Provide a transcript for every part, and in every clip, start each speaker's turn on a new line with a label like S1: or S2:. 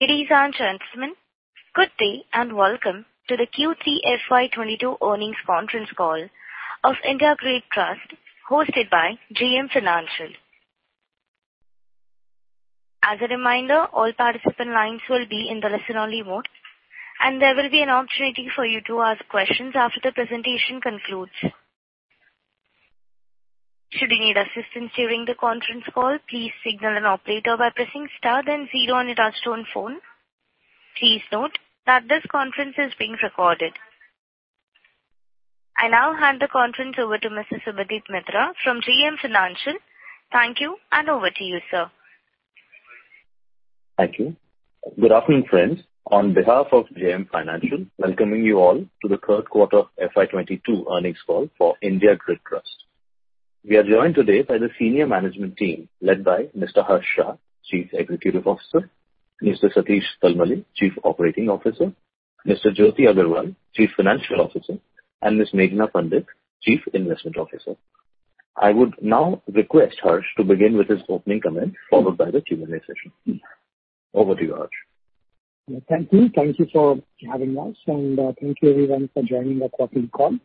S1: Ladies and gentlemen, good day, and welcome to the Q3 FY 2022 earnings conference call of IndiGrid Infrastructure Trust hosted by JM Financial. As a reminder, all participant lines will be in the listen-only mode, and there will be an opportunity for you to ask questions after the presentation concludes. Should you need assistance during the conference call, please signal an operator by pressing star then zero on your touchtone phone. Please note that this conference is being recorded. I now hand the conference over to Mr. Subhadip Mitra from JM Financial. Thank you, and over to you, sir.
S2: Thank you. Good afternoon, friends. On behalf of JM Financial, welcoming you all to the third quarter of FY 2022 earnings call for IndiGrid. We are joined today by the senior management team led by Mr. Harsh Shah, Chief Executive Officer, Mr. Satish Talmale, Chief Operating Officer, Mr. Jyoti Agarwal, Chief Financial Officer, and Ms. Meghana Pandit, Chief Investment Officer. I would now request Harsh to begin with his opening comments, followed by the Q&A session. Over to you, Harsh.
S3: Thank you. Thank you for having us, and thank you everyone for joining our quarterly call.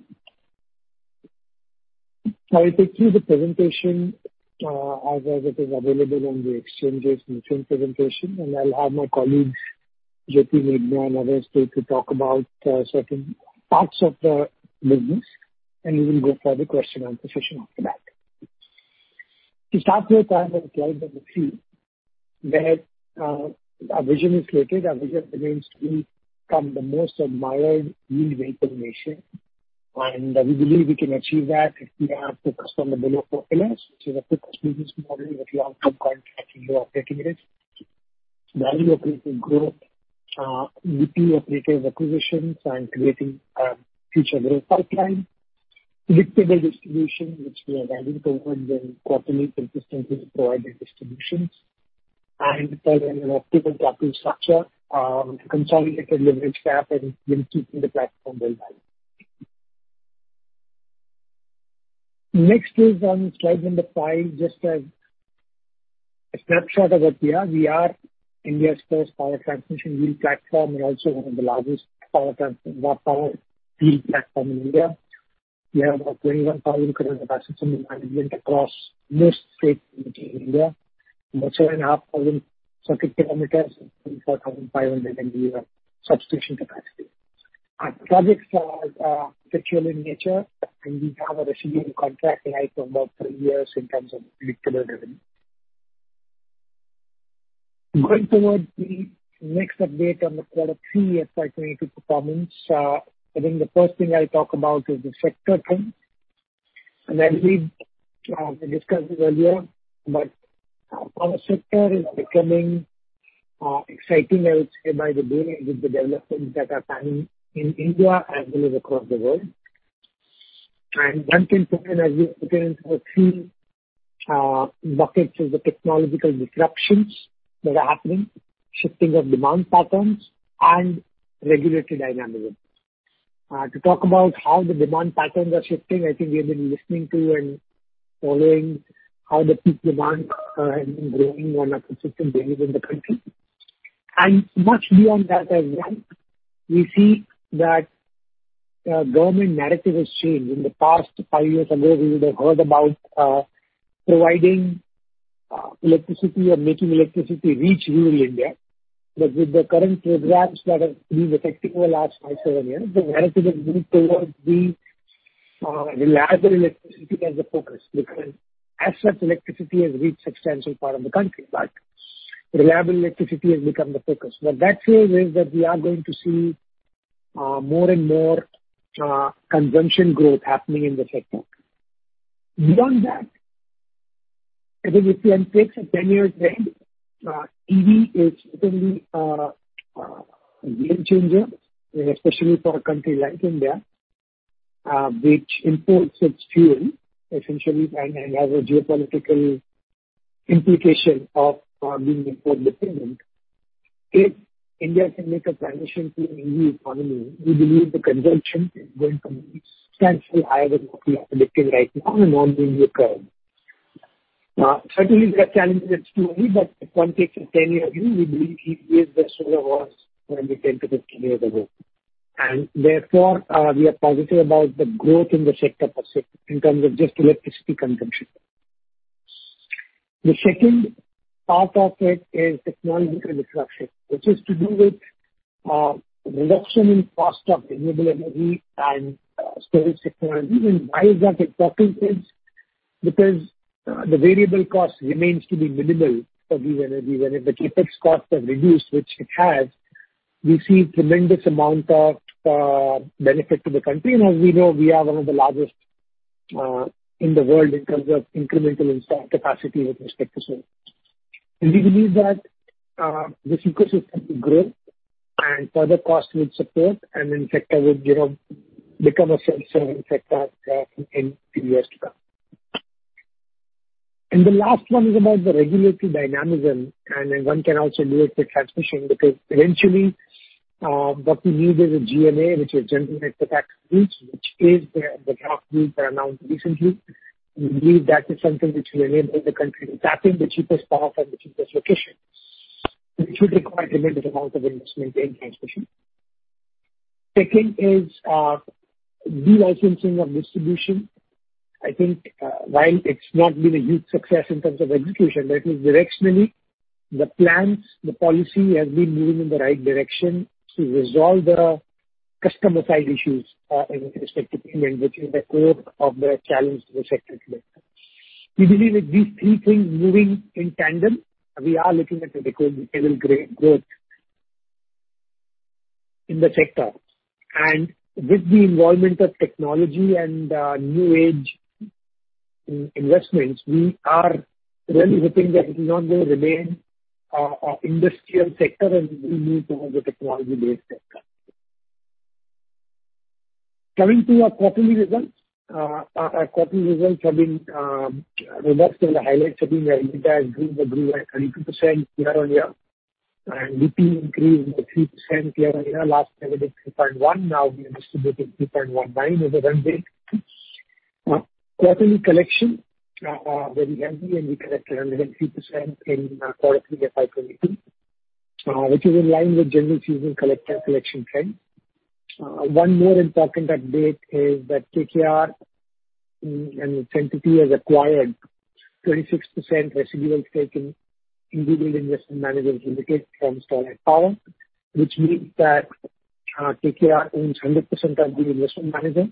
S3: I'll take you through the presentation, as it is available on the exchanges in the same presentation, and I'll have my colleagues, Jyoti, Meghana, and others, take over to talk about certain parts of the business, and we will go for the question and answer session after that. To start with, I have a slide number three, where our vision is stated. Our vision remains to become the most admired yield vehicle in Asia. We believe we can achieve that if we have focus on the below four pillars. The focused business model with long-term contracts and low operating risk. Value-accretive growth, with key accretive acquisitions and creating a future growth pipeline. Predictable distribution, which we have consistently provided quarterly. Third, an optimal capital structure, consolidated leverage cap and then keeping the platform well valued. Next is on slide number five, just a snapshot of what we are. We are India's first power transmission yield platform and also one of the largest power yield platform in India. We have about 21,000 km assets under management across most states in India, 7,500 circuit km and 24,500 MVA substation capacity. Our projects are perpetual in nature, and we have a residual contract life of about three years in terms of predictable revenue. Going towards the next update on the Q3 FY 2022 performance. I think the first thing I'll talk about is the sector trend. As we discussed this earlier, but our power sector is becoming exciting, I would say, by the day with the developments that are happening in India, as well as across the world. One can put energy into three buckets of the technological disruptions that are happening, shifting of demand patterns and regulatory dynamism. To talk about how the demand patterns are shifting, I think we have been listening to and following how the peak demand has been growing on a consistent basis in the country. Much beyond that as well, we see that government narrative has changed. In the past five years ago, we would have heard about providing electricity or making electricity reach rural India. With the current programs that have been effective over the last five-seven years, the narrative has moved towards the reliable electricity as a focus. Because as such, electricity has reached substantial part of the country, but reliable electricity has become the focus. What that says is that we are going to see more and more consumption growth happening in the sector. Beyond that, I think if one takes a 10-year trend, EV is certainly a game changer, especially for a country like India, which imports its fuel essentially and has a geopolitical implication of being import dependent. If India can make a transition to an EV economy, we believe the consumption is going to be substantially higher than what we are predicting right now and what is being occurred. Certainly there are challenges to EV, but if one takes a 10-year view, we believe EVs are similar to what it was maybe 10-15 years ago. Therefore, we are positive about the growth in the sector per se, in terms of just electricity consumption. The second part of it is technological disruption, which is to do with, reduction in cost of renewable energy and storage technology. Why is that important is because, the variable cost remains to be minimal for these energy. When if the CapEx costs are reduced, which it has, we see tremendous amount of, benefit to the country. As we know, we are one of the largest, in the world in terms of incremental installed capacity with respect to solar. We believe that this ecosystem will grow and further costs will decrease and then sector would, you know, become a self-serving sector in few years to come. The last one is about the regulatory dynamism, and then one can also do it with transmission because eventually what we need is a GNA, which is General Network Access, which is the draft rules that are announced recently. We believe that is something which will enable the country to tap the cheapest power from the cheapest location, which would require a limited amount of investment in transmission. Second is delicensing of distribution. I think while it's not been a huge success in terms of execution, but it was directionally the plans, the policy has been moving in the right direction to resolve the customer side issues in respect to payment, which is the core of the challenge to the sector today. We believe with these three things moving in tandem, we are looking at a decent level growth in the sector. With the involvement of technology and new age investments, we are really hoping that it is not gonna remain a industrial sector, and we move towards a technology-based sector. Coming to our quarterly results. Our quarterly results have been. The best highlights have been our EBITDA grew at 22% year-over-year. EBT increased by 3% year-over-year. Last quarter was 3.1, now we have distributed 3.19 on a run rate basis. Quarterly collection very healthy, and we collected 103% in quarter three of FY 2022, which is in line with general seasonal collection trend. One more important update is that KKR and Electron has acquired 26% residual stake in IndiGrid Investment Managers Limited from Sterlite Power, which means that KKR owns 100% of the investment manager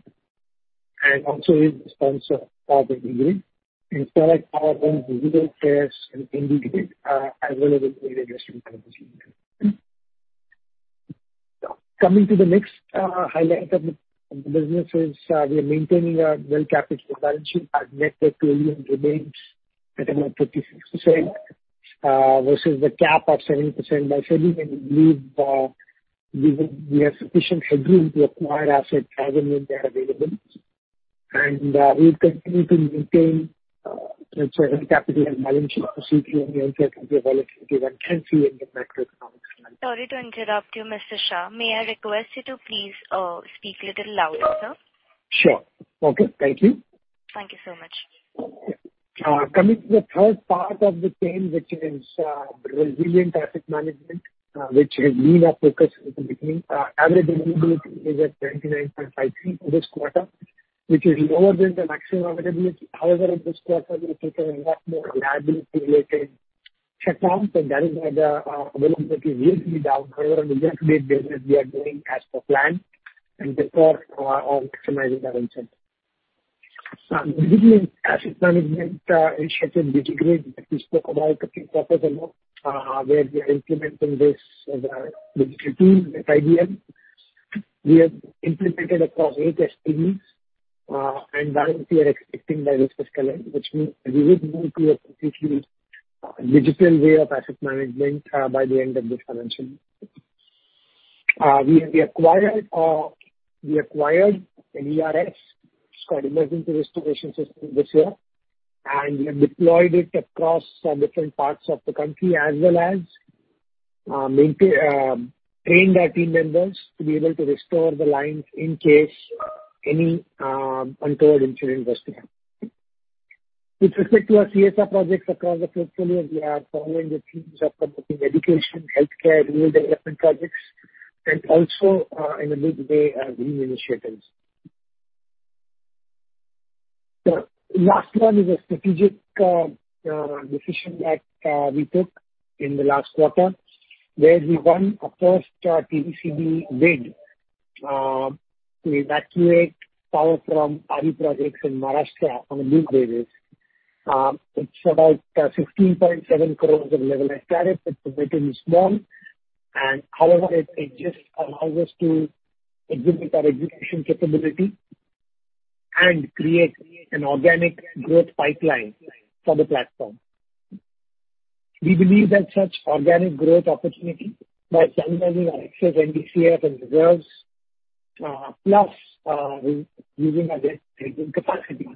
S3: and also is the sponsor of IndiGrid. Sterlite Power owns residual shares in IndiGrid available for investment opportunities. Coming to the next highlight of the business is we are maintaining a well-capitalized balance sheet. Our debt to net worth remains at about 56% versus the cap of 70%. By 70%, we believe we have sufficient headroom to acquire assets as and when they are available. We would continue to maintain, let's say, a capital management procedure in the interest of the volatility that can be in the macroeconomic environment.
S1: Sorry to interrupt you, Mr. Shah. May I request you to please, speak little louder, sir?
S3: Sure. Okay. Thank you.
S1: Thank you so much.
S3: Coming to the third part of the chain, which is resilient asset management, which is really our focus in the beginning. Average availability is at 99.53% for this quarter, which is lower than the maximum availability. However, in this quarter we took a lot more reliability related check counts, and that is why the availability is really down. However, on a year-to-date basis we are doing as per plan and on course of maximizing our return. Usually asset management in such a DigiGrid that we spoke about a few quarters ago, where we are implementing this as a digital tool with IBM. We have implemented across eight SPVs, and the balance we are expecting by this fiscal end, which means we will move to a completely digital way of asset management by the end of this financial year. We acquired an ERS. It's called Emergency Restoration System, this year. We have deployed it across different parts of the country, as well as trained our team members to be able to restore the lines in case any untoward incident was to happen. With respect to our CSR projects across the portfolio, we are following the themes of promoting education, healthcare, rural development projects, and also in a big way green initiatives. The last one is a strategic decision that we took in the last quarter, where we won a first TBCB bid to evacuate power from RE projects in Maharashtra on a BOOT basis. It's about 16.7 crore of levelized tariff, but the bidding is small. However, it just allows us to exhibit our execution capability and create an organic growth pipeline for the platform. We believe that such organic growth opportunity by channelizing our excess NDCF and reserves, plus using our debt taking capacity,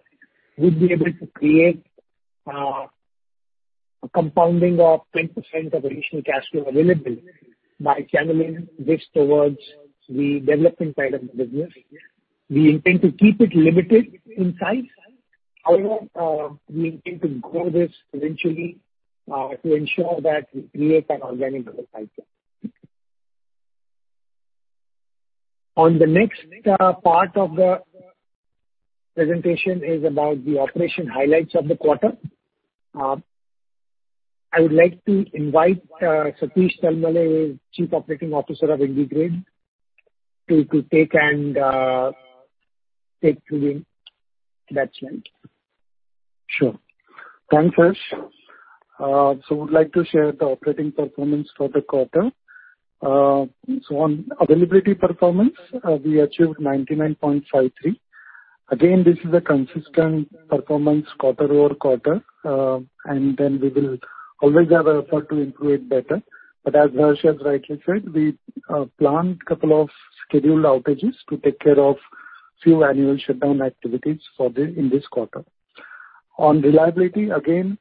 S3: we'd be able to create a compounding of 10% of additional cash flow available by channeling this towards the development side of the business. We intend to keep it limited in size, however, we intend to grow this eventually to ensure that we create an organic growth pipeline. The next part of the presentation is about the operational highlights of the quarter. I would like to invite Satish Talmale, Chief Operating Officer of IndiGrid, to take us to the next slide.
S4: Sure. Thanks, Harsh. I would like to share the operating performance for the quarter. On availability performance, we achieved 99.53%. Again, this is a consistent performance quarter-over-quarter. We will always have an effort to improve it better. But as Harsh has rightly said, we planned a couple of scheduled outages to take care of a few annual shutdown activities for the in this quarter. On reliability, again,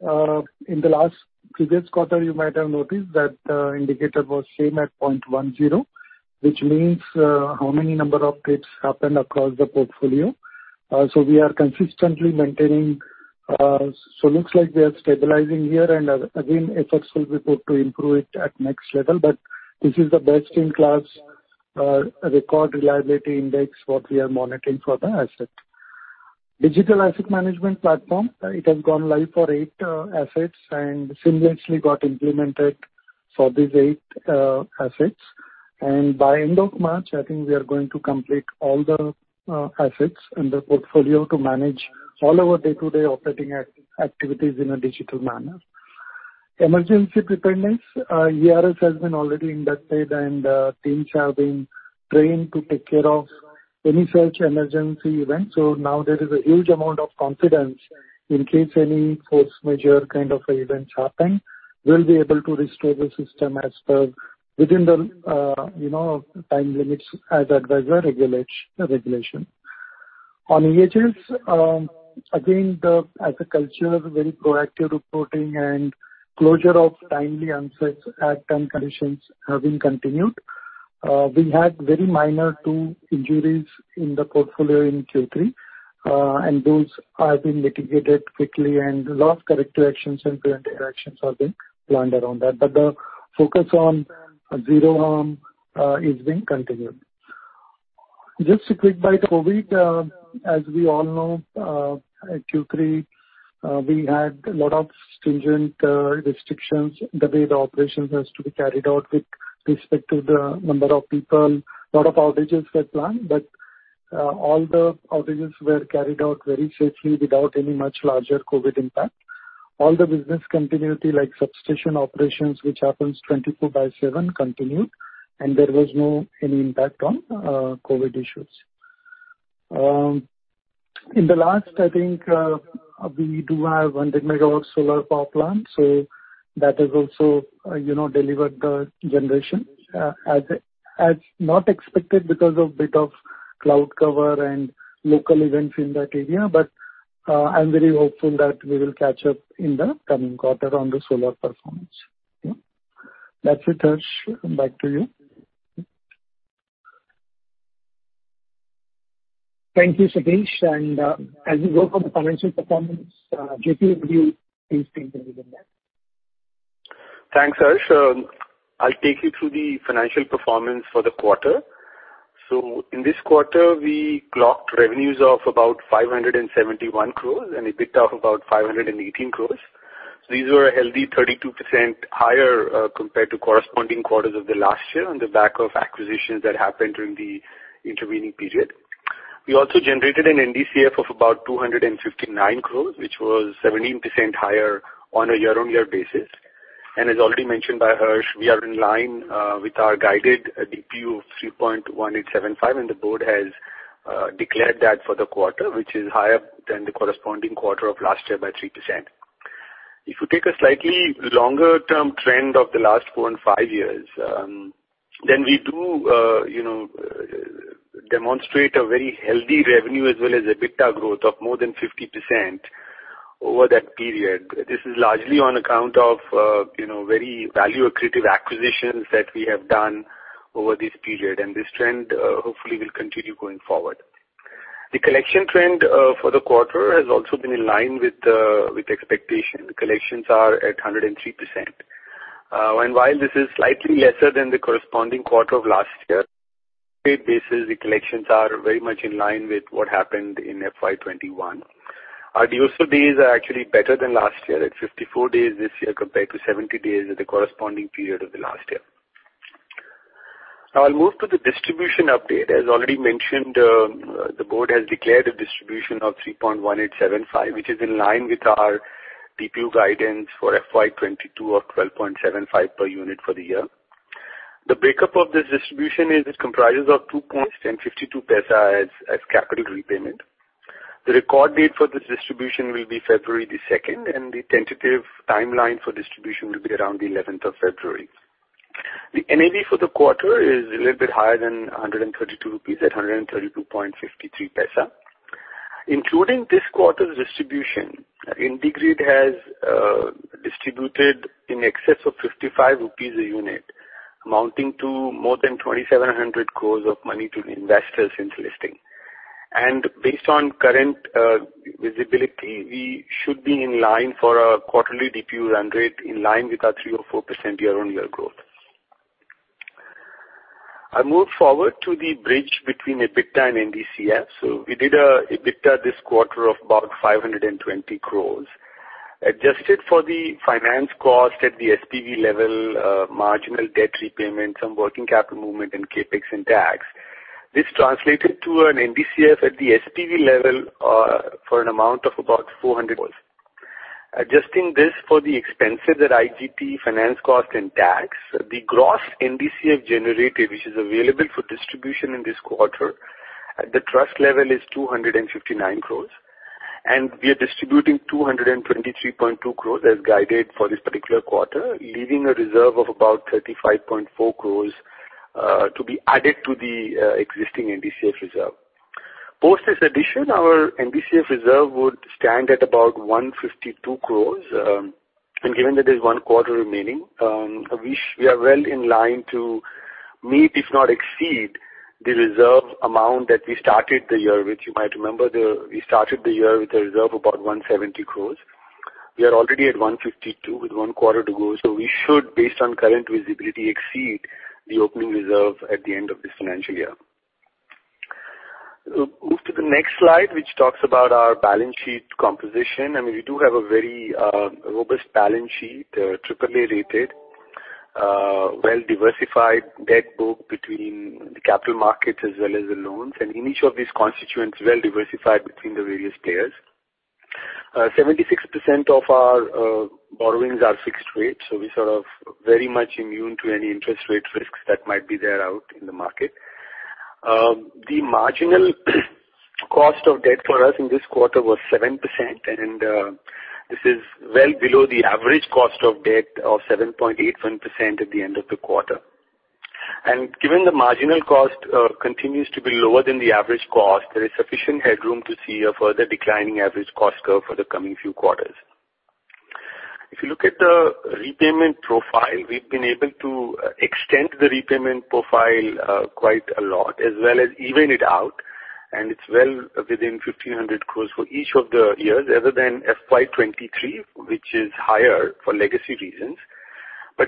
S4: in the last previous quarter, you might have noticed that the indicator was same at 0.10, which means how many number of trips happened across the portfolio. We are consistently maintaining. Looks like we are stabilizing here, and again, efforts will be put to improve it at next level. This is the best-in-class record reliability index that we are monitoring for the asset. Digital asset management platform, it has gone live for eight assets and seamlessly got implemented for these eight assets. By end of March, I think we are going to complete all the assets in the portfolio to manage all our day-to-day operating activities in a digital manner. Emergency preparedness, ERS has been already inducted, and teams have been trained to take care of any such emergency event. Now there is a huge amount of confidence in case any force majeure kind of events happen, we'll be able to restore the system within the, you know, time limits as advised by regulation. On EH&S, again, as a culture, very proactive reporting and timely closure of unsafe conditions have been continued. We had very minor two injuries in the portfolio in Q3, and those have been mitigated quickly and a lot of corrective actions and preventive actions have been planned around that. The focus on zero harm is being continued. Just a quick bit of COVID. As we all know, at Q3, we had a lot of stringent restrictions the way the operations has to be carried out with respect to the number of people. A lot of outages were planned, but all the outages were carried out very safely without any major COVID impact. All the business continuity, like substation operations, which happens 24/7, continued, and there was no impact on COVID issues. In the last, I think, we do have 100 MW solar power plant, so that has also, you know, delivered the generation as not expected because of bit of cloud cover and local events in that area. But, I'm very hopeful that we will catch up in the coming quarter on the solar performance. Yeah. That's it, Harsh. Back to you.
S3: Thank you, Satish. As we go from the financial performance, JP, would you please take the lead on that.
S5: Thanks, Harsh. I'll take you through the financial performance for the quarter. In this quarter, we clocked revenues of about 571 crore and EBITDA of about 518 crore. These were a healthy 32% higher compared to corresponding quarters of the last year on the back of acquisitions that happened during the intervening period. We also generated an NDCF of about 259 crore, which was 17% higher on a year-on-year basis. As already mentioned by Harsh, we are in line with our guided DPU of 3.1875, and the board has declared that for the quarter, which is higher than the corresponding quarter of last year by 3%. If you take a slightly longer term trend of the last four and five years, then we do, you know, demonstrate a very healthy revenue as well as EBITDA growth of more than 50% over that period. This is largely on account of, you know, very value-accretive acquisitions that we have done over this period, and this trend, hopefully will continue going forward. The collection trend for the quarter has also been in line with expectation. Collections are at 103%. While this is slightly lesser than the corresponding quarter of last year, basis, the collections are very much in line with what happened in FY 2021. Our days to pay are actually better than last year, at 54 days this year compared to 70 days at the corresponding period of the last year. Now I'll move to the distribution update. As already mentioned, the board has declared a distribution of 3.1875, which is in line with our DPU guidance for FY 2022 of 12.75 per unit for the year. The breakup of this distribution is it comprises of 2.52 as capital repayment. The record date for this distribution will be February 2nd, and the tentative timeline for distribution will be around February 11th. The NAV for the quarter is a little bit higher than 132 rupees at 132.53. Including this quarter's distribution, IndiGrid has distributed in excess of 55 rupees per unit, amounting to more than 2,700 crore to the investors since listing. Based on current visibility, we should be in line for a quarterly DPU run rate in line with our 3% or 4% year-on-year growth. I move forward to the bridge between EBITDA and NDCF. We did an EBITDA this quarter of about 520 crore. Adjusted for the finance cost at the SPV level, marginal debt repayment, some working capital movement in CapEx and tax, this translated to an NDCF at the SPV level for an amount of about INR 400 crore. Adjusting this for the expenses at IGP finance cost and tax, the gross NDCF generated, which is available for distribution in this quarter at the trust level, is 259 crore. We are distributing 223.2 crore as guided for this particular quarter, leaving a reserve of about 35.4 crore to be added to the existing NDCF reserve. Post this addition, our NDCF reserve would stand at about 152 crore. Given that there's one quarter remaining, we are well in line to meet, if not exceed, the reserve amount that we started the year with. You might remember. We started the year with a reserve about 170 crore. We are already at 152 crore with one quarter to go, so we should, based on current visibility, exceed the opening reserve at the end of this financial year. We'll move to the next slide, which talks about our balance sheet composition. I mean, we do have a very robust balance sheet. AAA rated. Well-diversified debt book between the capital markets as well as the loans. Each of these constituents well-diversified between the various payers. 76% of our borrowings are fixed rate. We sort of very much immune to any interest rate risks that might be there out in the market. The marginal cost of debt for us in this quarter was 7%, and this is well below the average cost of debt of 7.81% at the end of the quarter. Given the marginal cost continues to be lower than the average cost, there is sufficient headroom to see a further declining average cost curve for the coming few quarters. If you look at the repayment profile, we've been able to extend the repayment profile quite a lot, as well as even it out. It's well within 1,500 crore for each of the years, other than FY 2023, which is higher for legacy reasons.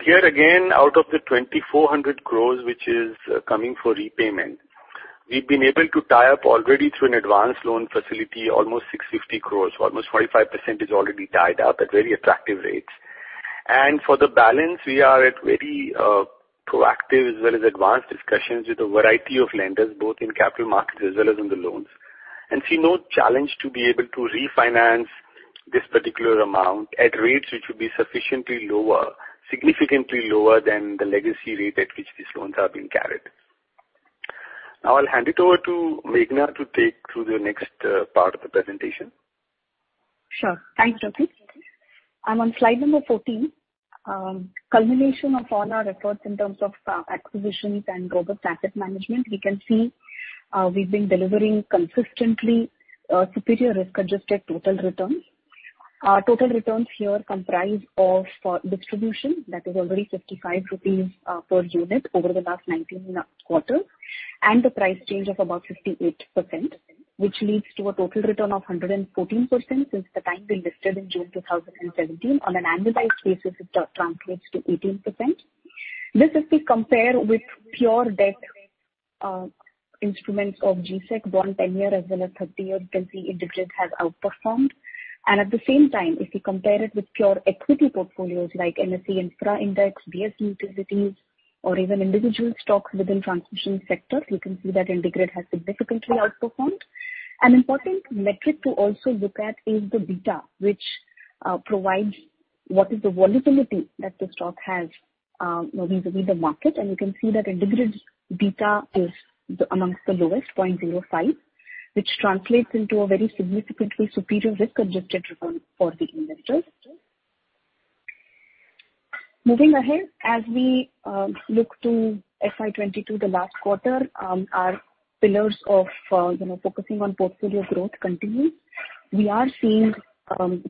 S5: Here again, out of the 2,400 crore, which is coming for repayment, we've been able to tie up already through an advanced loan facility almost 650 crore. Almost 45% is already tied up at very attractive rates. For the balance we are at very proactive as well as advanced discussions with a variety of lenders, both in capital markets as well as in the loans. We see no challenge to be able to refinance this particular amount at rates which will be sufficiently lower, significantly lower than the legacy rate at which these loans are being carried. Now I'll hand it over to Meghana to take through the next part of the presentation.
S6: Sure. Thanks, Jyoti. I'm on slide number 14. Culmination of all our efforts in terms of acquisitions and robust asset management. We can see, we've been delivering consistently superior risk-adjusted total returns. Our total returns here comprise of, for distribution that is already 55 rupees per unit over the last 19 quarters. The price change of about 58%, which leads to a total return of 114% since the time we listed in June 2017. On an annualized basis, it translates to 18%. This, if we compare with pure debt instruments of G-Sec bond tenure as well as 30-year, you can see IndiGrid has outperformed. At the same time, if you compare it with pure equity portfolios like NSE Nifty Infrastructure Index, S&P BSE Utilities or even individual stocks within transmission sectors, you can see that IndiGrid has significantly outperformed. An important metric to also look at is the beta, which provides what is the volatility that the stock has vis-a-vis the market. You can see that IndiGrid beta is amongst the lowest, 0.05, which translates into a very significantly superior risk-adjusted return for the investors. Moving ahead, as we look to FY 2022, the last quarter, our pillars of focusing on portfolio growth continues. We are seeing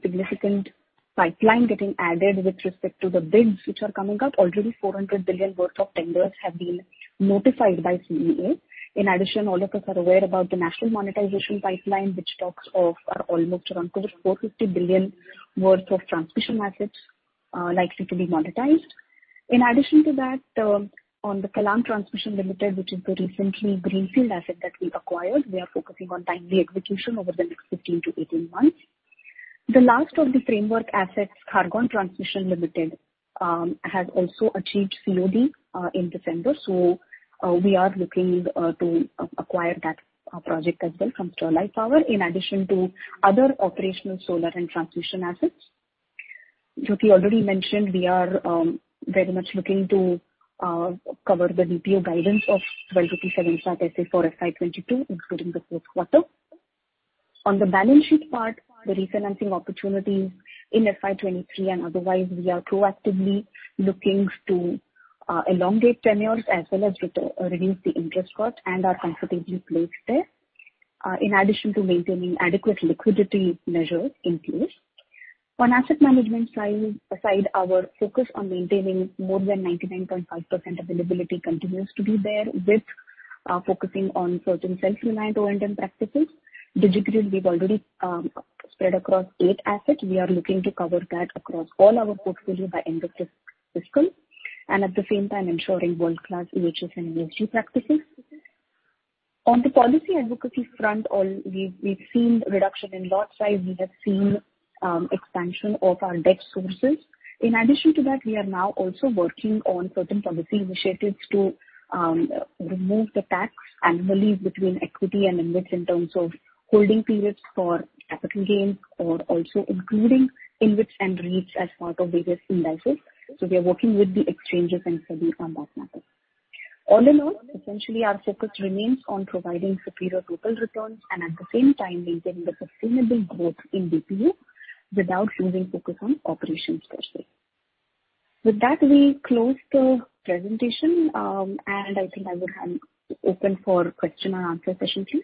S6: significant pipeline getting added with respect to the bids which are coming up. Already 400 billion worth of tenders have been notified by CEA. In addition, all of us are aware about the National Monetisation Pipeline, which talks of almost around close to 450 billion worth of transmission assets likely to be monetized. In addition to that, on the Kallam Transmission Limited, which is the recently greenfield asset that we acquired, we are focusing on timely execution over the next 15 months-18 months. The last of the framework assets, Khargone Transmission Limited, has also achieved COD in December, so we are looking to acquire that project as well from Sterlite Power, in addition to other operational solar and transmission assets. Jyoti already mentioned we are very much looking to cover the DPU guidance of 12.75 rupees for FY 2022, including the fourth quarter. On the balance sheet part, the refinancing opportunities in FY 2023 and otherwise, we are proactively looking to elongate tenures as well as reduce the interest cost and are comfortably placed there, in addition to maintaining adequate liquidity measures in place. On asset management side, our focus on maintaining more than 99.5% availability continues to be there with focusing on certain self-reliant O&M practices. DigiGrid, we've already spread across eight assets. We are looking to cover that across all our portfolio by end of this fiscal. At the same time ensuring world-class EHS and ESG practices. On the policy advocacy front, we've seen reduction in lot size, we have seen expansion of our debt sources. In addition to that, we are now also working on certain policy initiatives to remove the tax anomaly between equity and InvITs in terms of holding periods for capital gains or also including InvITs and REITs as part of various indices. We are working with the exchanges and SEBI on that matter. All in all, essentially our focus remains on providing superior total returns and at the same time maintaining the sustainable growth in DPU.
S3: Without losing focus on operations per se. With that, we close the presentation, and I think I would now open for question and answer session please.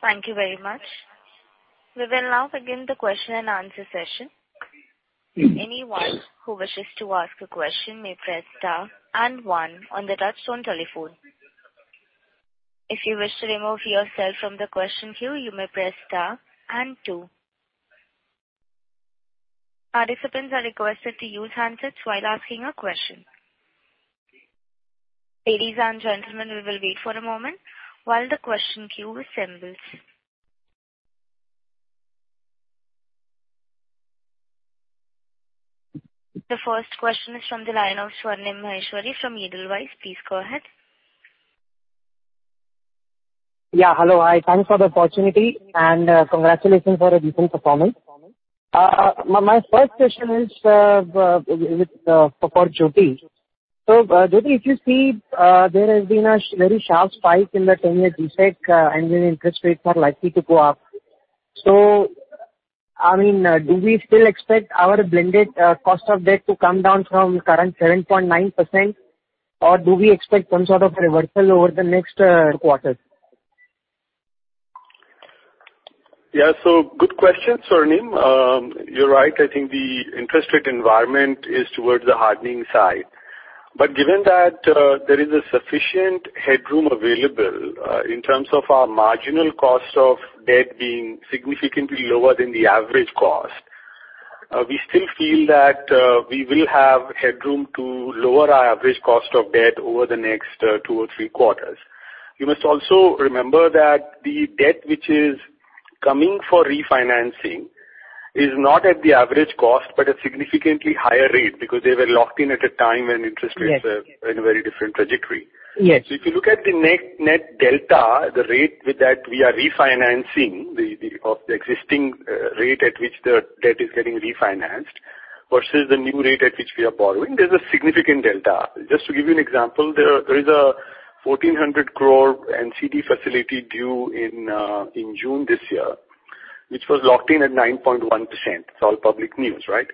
S1: Thank you very much. We will now begin the question and answer session.
S3: Mm-hmm.
S1: Anyone who wishes to ask a question may press star and one on the touchtone telephone. If you wish to remove yourself from the question queue, you may press star and two. Participants are requested to use handsets while asking a question. Ladies and gentlemen, we will wait for a moment while the question queue assembles. The first question is from the line of Swarnim Maheshwari from Edelweiss. Please go ahead.
S7: Yeah. Hello. I thank you for the opportunity and, congratulations for a decent performance. My first question is for Jyoti. Jyoti, if you see, there has been a very sharp spike in the 10-year G-Sec, and then interest rates are likely to go up. I mean, do we still expect our blended cost of debt to come down from current 7.9%, or do we expect some sort of reversal over the next quarter?
S5: Yeah. Good question, Swarnim. You're right, I think the interest rate environment is towards the hardening side. Given that, there is a sufficient headroom available, in terms of our marginal cost of debt being significantly lower than the average cost, we still feel that we will have headroom to lower our average cost of debt over the next two or three quarters. You must also remember that the debt which is coming for refinancing is not at the average cost, but a significantly higher rate, because they were locked in at a time when interest rates-
S7: Yes.
S5: We're in a very different trajectory.
S7: Yes.
S5: If you look at the net delta, the existing rate at which the debt is getting refinanced versus the new rate at which we are borrowing, there's a significant delta. Just to give you an example, there is a 1,400 crore NCD facility due in June this year, which was locked in at 9.1%. It's all public news, right?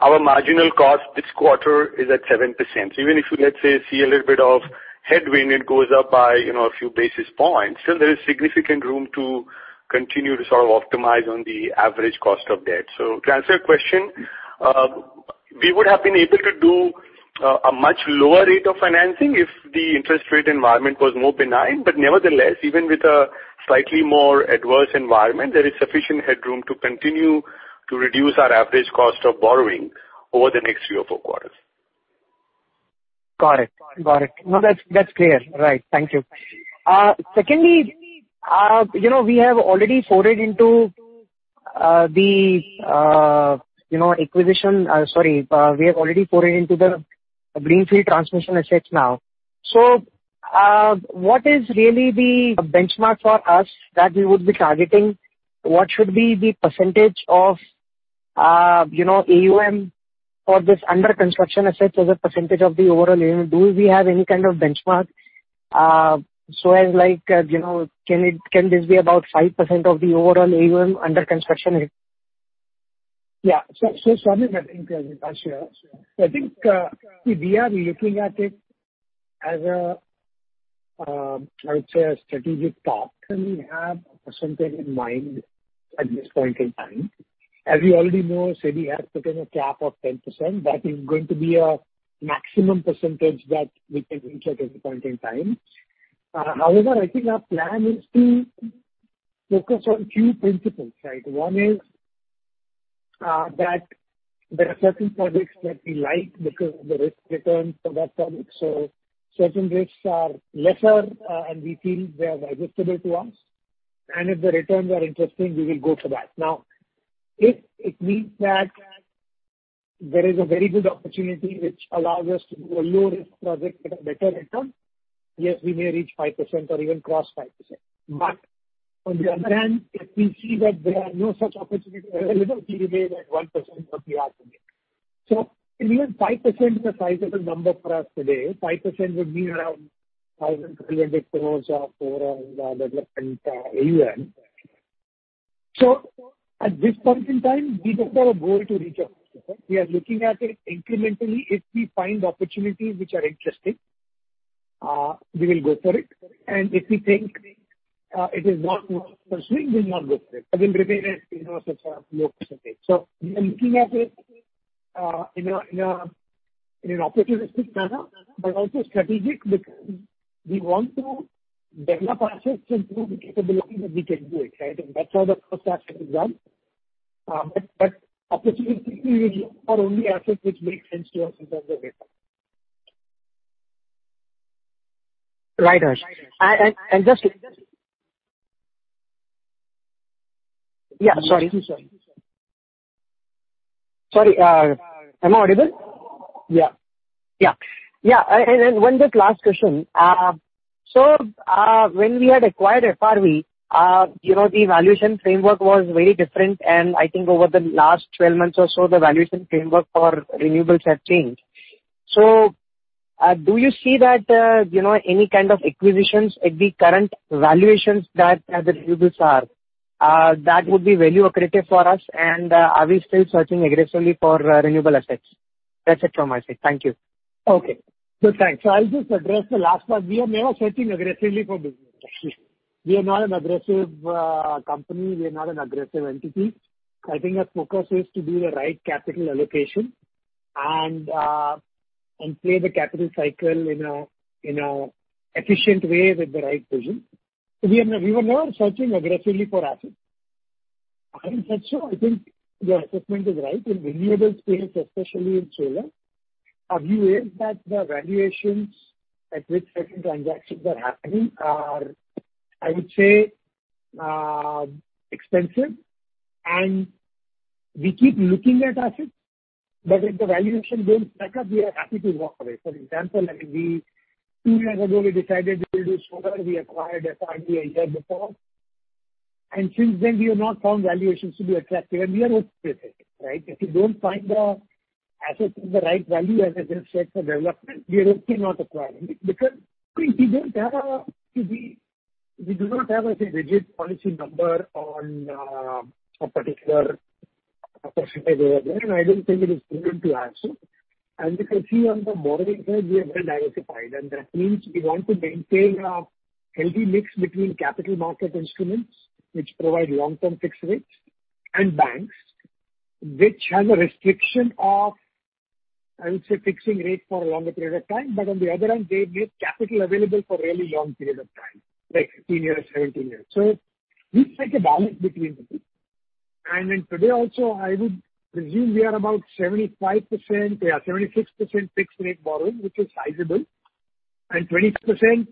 S5: Our marginal cost this quarter is at 7%. Even if you, let's say, see a little bit of headwind, it goes up by, you know, a few basis points, still there is significant room to continue to sort of optimize on the average cost of debt. To answer your question, we would have been able to do a much lower rate of financing if the interest rate environment was more benign. But nevertheless, even with a slightly more adverse environment, there is sufficient headroom to continue to reduce our average cost of borrowing over the next three or four quarters.
S7: Got it. No, that's clear. Right. Thank you. Secondly, you know, we have already forayed into the greenfield transmission assets now. What is really the benchmark for us that we would be targeting? What should be the percentage of, you know, AUM for this under construction assets as a percentage of the overall AUM? Do we have any kind of benchmark, so, like, you know, can this be about 5% of the overall AUM under construction?
S3: Swarnim, I think I'll share. I think we are looking at it as a I would say a strategic part, and we have something in mind at this point in time. As you already know, SEBI has put in a cap of 10%. That is going to be a maximum percentage that we can reach at this point in time. However, I think our plan is to focus on two principles, right? One is that there are certain projects that we like because of the risk return for that project. Certain risks are lesser, and we feel they are digestible to us. If the returns are interesting, we will go for that. Now, if it means that there is a very good opportunity which allows us to do a low risk project at a better return, yes, we may reach 5% or even cross 5%. On the other hand, if we see that there are no such opportunities available, we remain at 1% of the opportunity. Even 5% is a sizable number for us today. 5% would be around 1000 crore-1200 crore of overall development AUM. At this point in time, we don't have a goal to reach a percentage. We are looking at it incrementally. If we find opportunities which are interesting, we will go for it. If we think it is not worth pursuing, we'll not go for it and we'll remain at, you know, such a low percentage. We are looking at it in an opportunistic manner, but also strategic, because we want to develop assets and prove the capability that we can do it, right? That's how the first asset is done. Opportunistically we look for only assets which make sense to us in terms of risk.
S7: Right, Harsh. Yeah. Sorry. Am I audible?
S3: Yeah.
S7: One last question. When we had acquired FRV, you know, the valuation framework was very different, and I think over the last 12 months or so, the valuation framework for renewables have changed. Do you see that, you know, any kind of acquisitions at the current valuations that the renewables are that would be value accretive for us, and are we still searching aggressively for renewable assets? That's it from my side. Thank you.
S3: Okay, thanks. I'll just address the last one. We are never searching aggressively for business. We are not an aggressive company. We are not an aggressive entity. I think our focus is to do the right capital allocation and play the capital cycle in an efficient way with the right vision. We were never searching aggressively for assets. Having said so, I think your assessment is right. In renewables space, especially in solar, are you aware that the valuations at which certain transactions are happening are, I would say, expensive, and we keep looking at assets, but if the valuation don't stack up, we are happy to walk away. For example, like we, two years ago, we decided we will do solar. We acquired FRV a year before. Since then, we have not found valuations to be attractive, and we are okay with it, right? If you don't find the assets at the right value, as I just said, for development, we are okay not acquiring it. Because, I mean, we do not have a rigid policy number on a particular percentage over there, and I don't think it is prudent to have so. You can see on the modeling side, we are very diversified, and that means we want to maintain a healthy mix between capital market instruments, which provide long-term fixed rates, and banks, which has a restriction of, I would say, fixing rates for a longer period of time. On the other hand, they make capital available for really long period of time, like 15 years, 17 years. We strike a balance between the two. Then today also, I would presume we are about 75%, yeah, 76% fixed rate borrowing, which is sizable, and 25%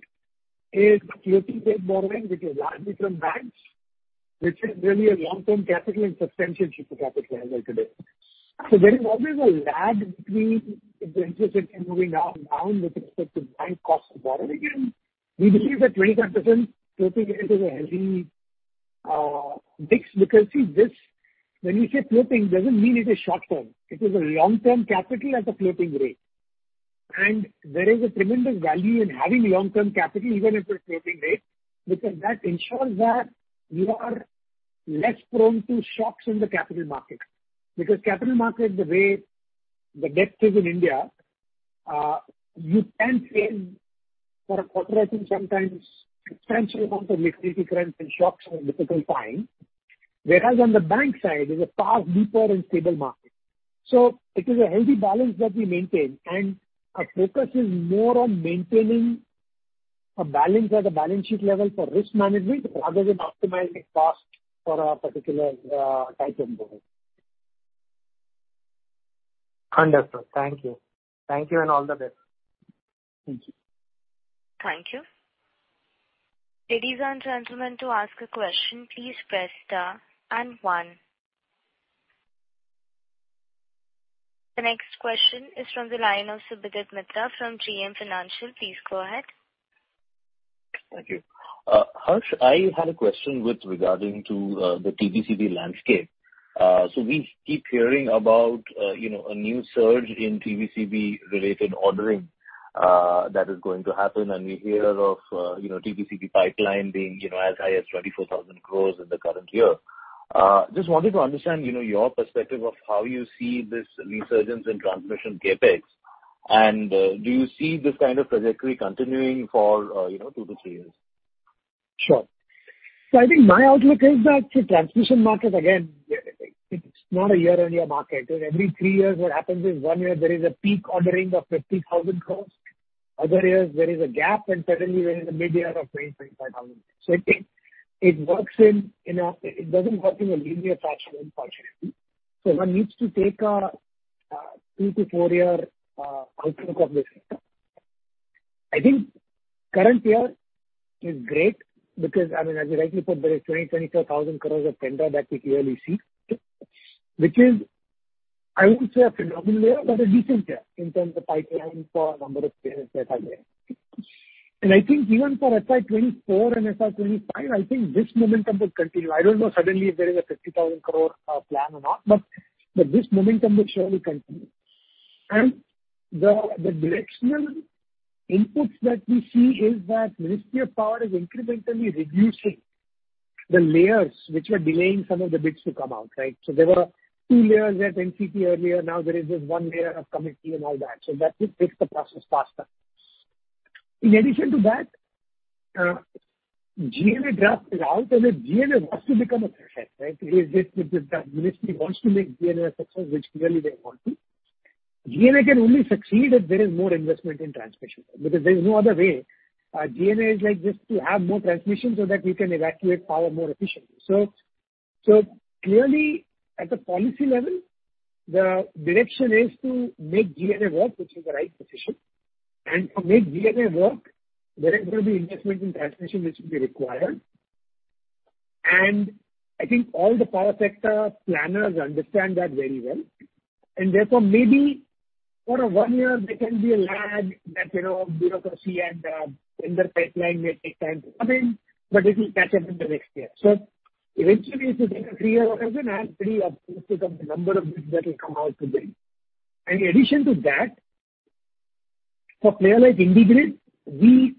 S3: is floating rate borrowing, which is largely from banks, which is really a long-term capital and substantially cheaper capital as of today. There is always a lag between the interest rate coming down with respect to bank cost of borrowing, and we believe that 25% floating rate is a healthy mix. Because see this, when you say floating, doesn't mean it is short-term. It is a long-term capital at a floating rate. There is a tremendous value in having long-term capital even at a floating rate, because that ensures that you are less prone to shocks in the capital market. Because capital market, the way the depth is in India, you can save for a quarter or sometimes substantial amount of liquidity crunch and shocks in a difficult time. Whereas on the bank side, there's a far deeper and stable market. It is a healthy balance that we maintain, and our focus is more on maintaining a balance at the balance sheet level for risk management rather than optimizing cost for a particular type of borrowing.
S7: Understood. Thank you. Thank you, and all the best.
S3: Thank you.
S1: Thank you. Ladies and gentlemen, to ask a question, please press star and one. The next question is from the line of Subhadip Mitra from JM Financial. Please go ahead.
S2: Thank you. Harsh, I had a question with regard to the TBCB landscape. So we keep hearing about, you know, a new surge in TBCB related ordering that is going to happen, and we hear of, you know, TBCB pipeline being, you know, as high as 24,000 crore in the current year. Just wanted to understand, you know, your perspective of how you see this resurgence in transmission CapEx, and do you see this kind of trajectory continuing for, you know, two-three years?
S3: I think my outlook is that the transmission market, again, it's not a year-on-year market. Every three years, what happens is one year there is a peak ordering of 50,000 crore. Other years, there is a gap, and suddenly we're in the mid-year of 20-25 thousand. It doesn't work in a linear fashion, unfortunately. One needs to take a two-four year outlook of this sector. I think current year is great because, I mean, as we rightly put, there is 24,000 crore of tender that we clearly see. Which is, I wouldn't say a phenomenal year, but a decent year in terms of pipeline for number of players that are there. I think even for FY 2024 and FY 2025, I think this momentum will continue. I don't know suddenly if there is a 50,000 crore plan or not, but this momentum will surely continue. The directional inputs that we see is that Ministry of Power is incrementally reducing the layers which were delaying some of the bids to come out, right? There were two layers at CTU earlier. Now there is this one layer of committee and all that. That will make the process faster. In addition to that, GNA draft is out and the GNA wants to become a success, right? It is, the ministry wants to make GNA a success, which clearly they want to. GNA can only succeed if there is more investment in transmission, because there is no other way. GNA is like this, to have more transmission so that we can evacuate power more efficiently. Clearly at the policy level, the direction is to make GNA work, which is the right decision. To make GNA work, there is gonna be investment in transmission which will be required. I think all the power sector planners understand that very well. Therefore, maybe for one year there can be a lag that, you know, bureaucracy and tender pipeline may take time to come in, but it will catch up in the next year. Eventually, it's a three-year horizon and pretty optimistic of the number of bids that will come out today. In addition to that, for player like IndiGrid, we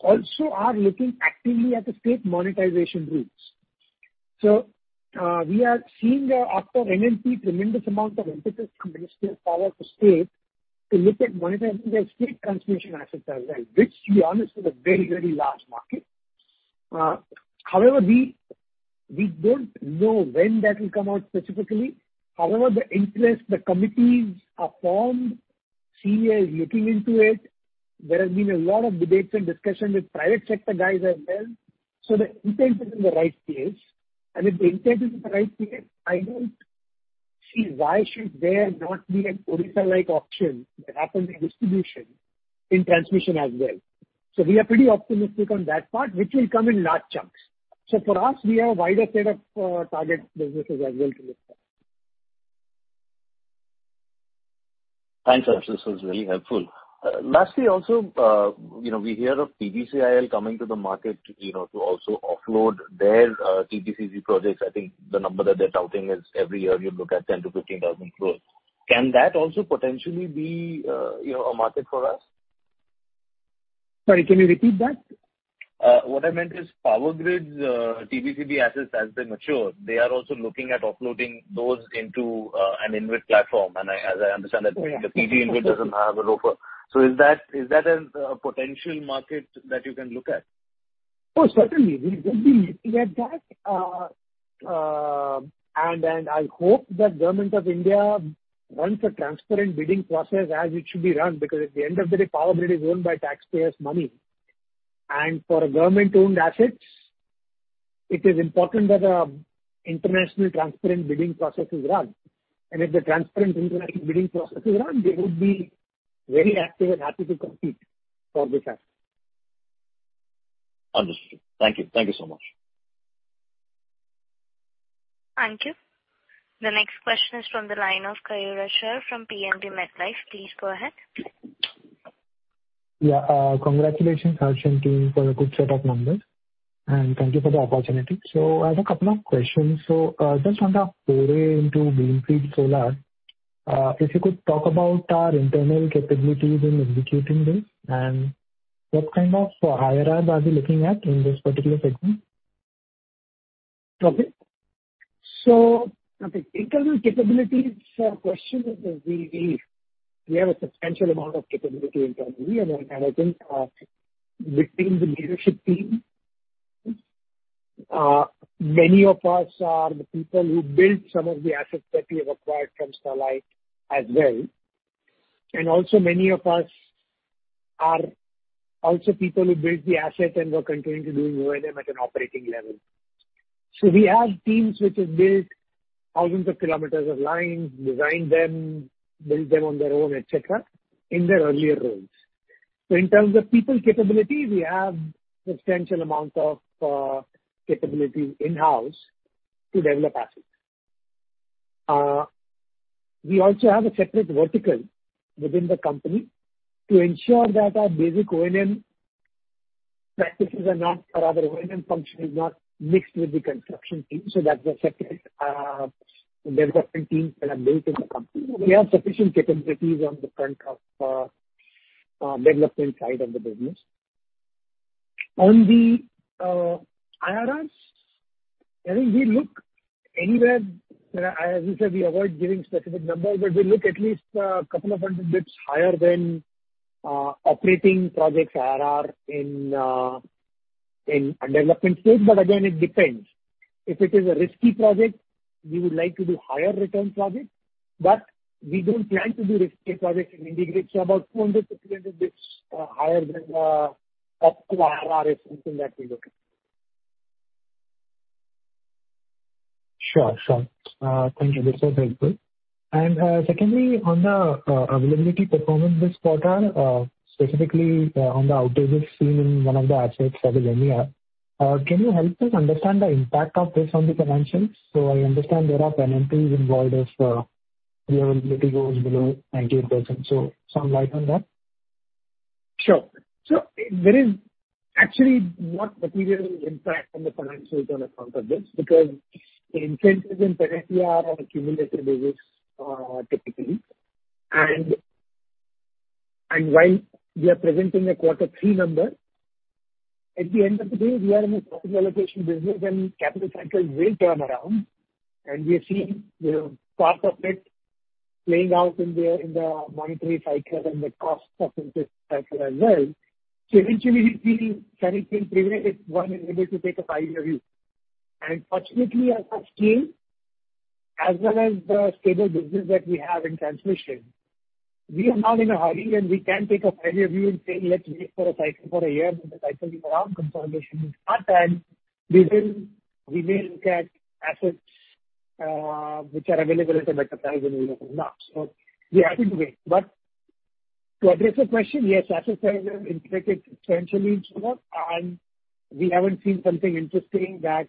S3: also are looking actively at the state monetization routes. We are seeing there after NMP, tremendous amount of emphasis from Minister of Power to states to look at monetizing their state transmission assets as well, which to be honest, is a very, very large market. However, we don't know when that will come out specifically. However, the interest, the committees are formed. CEA is looking into it. There has been a lot of debates and discussions with private sector guys as well. The intent is in the right place, and if the intent is in the right place, I don't see why should there not be an Odisha-like auction that happens in distribution, in transmission as well. We are pretty optimistic on that part, which will come in large chunks. For us, we have a wider set of target businesses as well to look at.
S2: Thanks, Harsh. This was really helpful. Lastly also, you know, we hear of PGCIL coming to the market, you know, to also offload their TBCB projects. I think the number that they're touting is every year you look at 10,000 crore-15,000 crore. Can that also potentially be, you know, a market for us?
S3: Sorry, can you repeat that?
S2: What I meant is PowerGrid's TBCB assets as they mature, they are also looking at offloading those into an InvIT platform. As I understand that-
S3: Yeah.
S2: The PG InvIT doesn't have a ROFO. Is that a potential market that you can look at?
S3: Oh, certainly. We would be looking at that. I hope that government of India runs a transparent bidding process as it should be run, because at the end of the day, PowerGrid is owned by taxpayers' money. For government-owned assets, it is important that a international transparent bidding process is run. If the transparent international bidding process is run, we would be very active and happy to compete for this asset.
S2: Understood. Thank you. Thank you so much.
S1: Thank you. The next question is from the line of Keyur Asher from PNB MetLife. Please go ahead.
S8: Yeah. Congratulations, Harsh and team, for a good set of numbers. Thank you for the opportunity. I have a couple of questions. Just on the foray into greenfield solar, if you could talk about our internal capabilities in executing this, and what kind of IRR are we looking at in this particular segment?
S3: Internal capabilities question is, we have a substantial amount of capability internally. I think between the leadership team, many of us are the people who built some of the assets that we have acquired from Sterlite as well. Many of us are also people who built the asset and were continuing to do O&M at an operating level. We have teams which have built thousands of kilometers of lines, designed them, built them on their own, et cetera, in their earlier roles. In terms of people capability, we have substantial amount of capability in-house to develop assets. We also have a separate vertical within the company to ensure that our basic O&M practices are not or rather O&M function is not mixed with the construction team. That's a separate development team that are built in the company. We have sufficient capabilities on the front of development side of the business. On the IRRs, I think we look anywhere. As I said, we avoid giving specific numbers, but we look at least a couple of hundred bps higher than operating projects IRR in a development phase. But again, it depends. If it is a risky project, we would like to do higher return projects, but we don't plan to do risky projects in IndiGrid. About 200 bps-300 bps higher than optimal IRR is something that we look at.
S8: Sure, thank you. This was helpful. Secondly, on the availability performance this quarter, specifically on the outages seen in one of the assets that is NRSS XXIX. Can you help us understand the impact of this on the financials? I understand there are penalties involved if availability goes below 98%. Shed some light on that.
S3: Sure. There is actually no material impact on the financials on account of this, because the incentives and penalties are on a cumulative basis, typically. While we are presenting a quarter three number, at the end of the day, we are in a profit allocation business and capital cycles will turn around, and we are seeing, you know, part of it playing out in the monetary cycle and the cost of capital cycle as well. Eventually we feel everything averages if one is able to take a five-year view. Fortunately our first team, as well as the stable business that we have in transmission, we are not in a hurry, and we can take a five-year view and say, "Let's wait for a cycle, for a year when the cycle turns around. We will look at assets, which are available at a better price when we know from now. We are happy to wait. To address your question, yes, asset side we have invested substantially in solar, and we haven't seen something interesting that.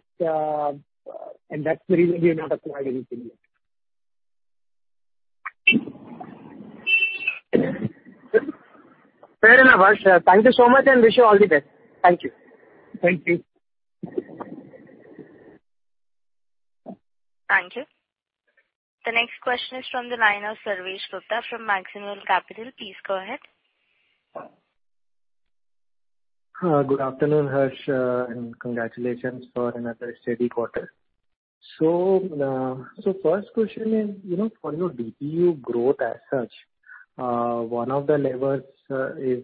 S3: That's the reason we have not acquired anything yet.
S8: Fair enough, Harsh. Thank you so much, and wish you all the best. Thank you.
S3: Thank you.
S1: Thank you. The next question is from the line of Sarvesh Gupta from Maximal Capital. Please go ahead.
S9: Good afternoon, Harsh. Congratulations for another steady quarter. First question is, you know, for your DPU growth as such, one of the levers is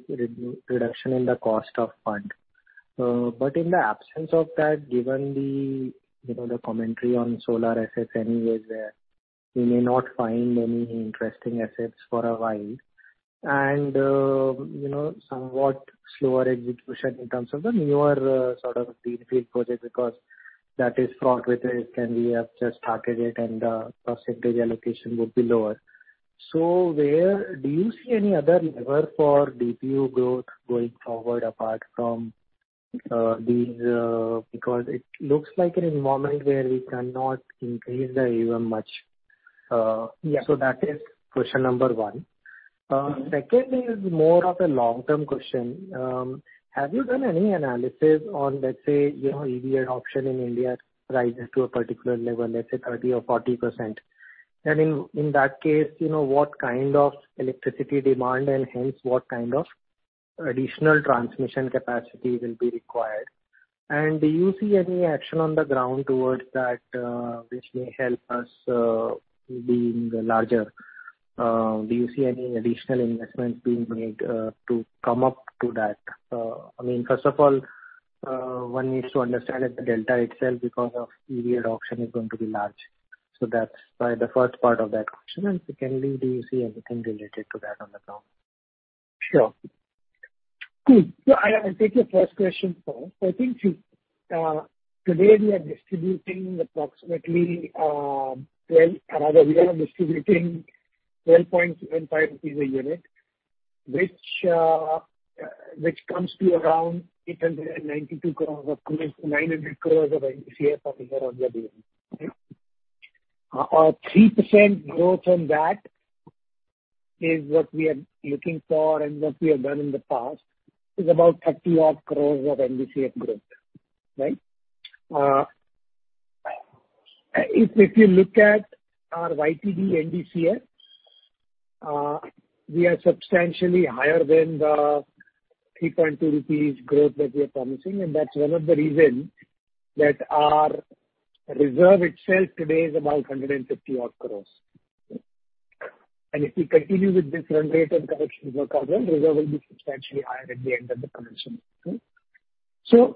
S9: reduction in the cost of fund. But in the absence of that, given the, you know, the commentary on solar assets anywhere where you may not find any interesting assets for a while. You know, somewhat slower execution in terms of the newer, sort of greenfield projects because that is fraught with risk, and we have just started it and the percentage allocation would be lower. Where do you see any other lever for DPU growth going forward apart from these? Because it looks like an environment where we cannot increase the AUM much.
S3: Yeah.
S9: That is question number one. Second is more of a long-term question. Have you done any analysis on, let's say, you know, EV adoption in India rises to a particular level, let's say 30% or 40%. In that case, you know, what kind of electricity demand and hence what kind of additional transmission capacity will be required? Do you see any action on the ground towards that, which may help us being larger? Do you see any additional investments being made to come up to that? I mean, first of all, one needs to understand that the delta itself because of EV adoption is going to be large. That's the first part of that question. Secondly, do you see anything related to that on the ground?
S3: Sure. Good. I'll take your first question first. I think today we are distributing approximately 12. Rather, we are distributing 12.75 rupees a unit, which comes to around 892 crore of 900 crore of NDCF per year on DPU. A 3% growth on that is what we are looking for and what we have done in the past is about 30-odd crore of NDCF growth, right? If you look at our YTD NDCF, we are substantially higher than the 3.2 rupees growth that we are promising. That's one of the reasons that our reserve itself today is about 150-odd crore. If we continue with this run rate of collections of our reserve, it will be substantially higher at the end of the financial year.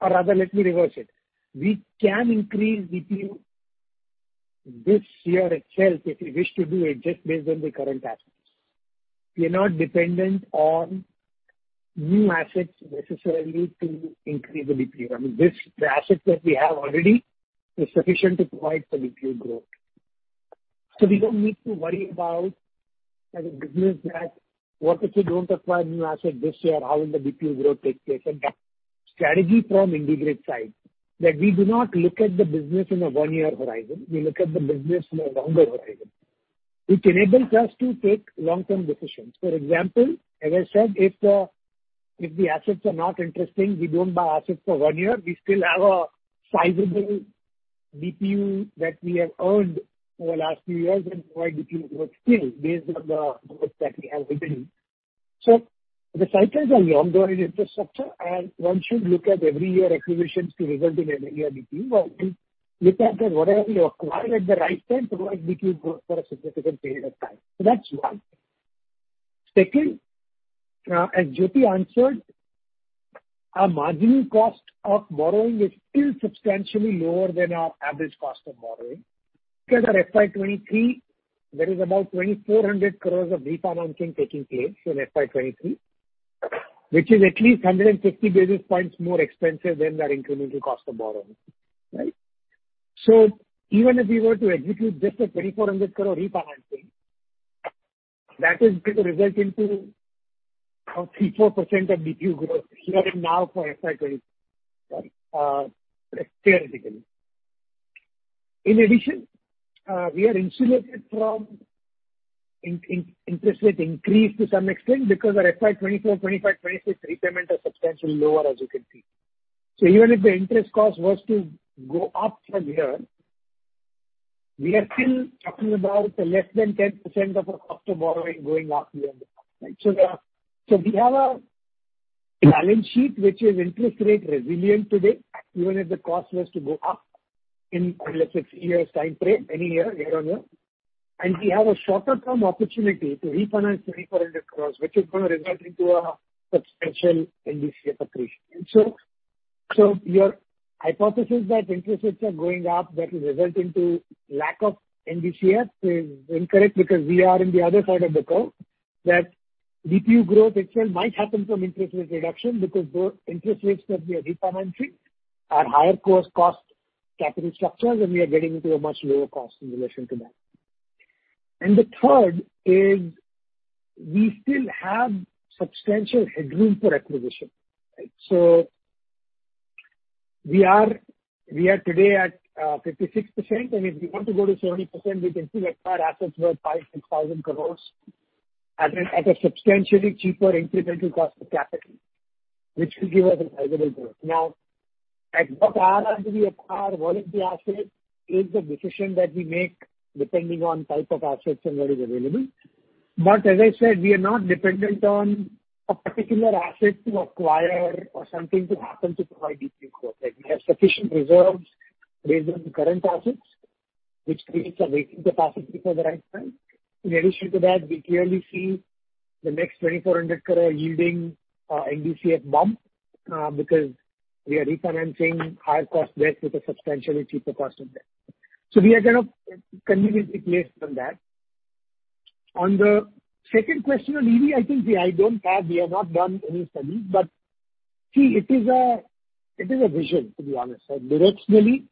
S3: Or rather, let me reverse it. We can increase DPU this year itself if we wish to do it just based on the current assets. We are not dependent on new assets necessarily to increase the DPU. I mean, this, the assets that we have already is sufficient to provide for DPU growth. We don't need to worry about as a business that what if we don't acquire new assets this year, how will the DPU growth take place? That strategy from IndiGrid side that we do not look at the business in a one-year horizon. We look at the business in a longer horizon, which enables us to take long-term decisions. For example, as I said, if the assets are not interesting, we don't buy assets for one year. We still have a sizable DPU that we have earned over last few years and provide DPU growth still based on the growth that we have already. The cycles are longer in infrastructure, and one should look at every year acquisitions to result in an yearly DPU. Or we look at that whatever we acquire at the right time to provide DPU growth for a significant period of time. That's one. Secondly, as Jyoti answered, our marginal cost of borrowing is still substantially lower than our average cost of borrowing. Because our FY 2023, there is about 2,400 crore of refinancing taking place in FY 2023, which is at least 150 basis points more expensive than our incremental cost of borrowing, right? Even if we were to execute just a 2,400 crore refinancing, that is gonna result into a 3%-4% DPU growth starting now for FY 2023, theoretically. In addition, we are insulated from interest rate increase to some extent because our FY 2024, 2025, 2026 repayment are substantially lower as you can see. Even if the interest cost was to go up from here, we are still talking about a less than 10% of our cost of borrowing going up year-on-year, right? We have a balance sheet which is interest rate resilient today, even if the cost was to go up in, let's say, three years timeframe, any year-on-year. We have a shorter-term opportunity to refinance INR 2,400 crore, which is gonna result into a substantial NDCF accretion. Your hypothesis that interest rates are going up that will result into lack of NDCF is incorrect because we are in the other side of the curve, that DPU growth itself might happen from interest rate reduction because those interest rates that we are refinancing are higher cost capital structures, and we are getting into a much lower cost in relation to that. The third is we still have substantial headroom for acquisition, right? We are today at 56%, and if we want to go to 70%, we can see that our assets worth 5,000 crore-6,000 crore at a substantially cheaper incremental cost of capital, which will give us a visible growth. Now, at what rate we acquire volume of the asset is the decision that we make depending on type of assets and what is available. As I said, we are not dependent on a particular asset to acquire or something to happen to provide DPU. Like, we have sufficient reserves based on current assets, which we are waiting to pass it before the right time. In addition to that, we clearly see the next 2,400 crore yielding NDCF bump because we are refinancing higher cost debt with a substantially cheaper cost of debt. We are kind of conveniently placed on that. On the second question on EV, we have not done any study, but see, it is a vision, to be honest. Directionally,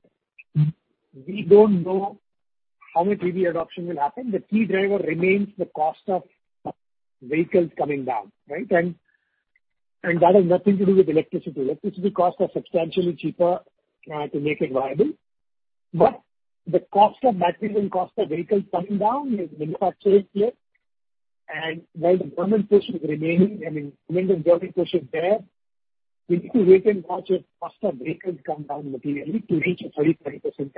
S3: we don't know how much EV adoption will happen. The key driver remains the cost of vehicles coming down, right? That has nothing to do with electricity. Electricity costs are substantially cheaper to make it viable. The cost of batteries and cost of vehicles coming down is the manufacturing play. While the government push is remaining, I mean, government driving push is there, we need to wait and watch as cost of vehicles come down materially to reach a 30%-40%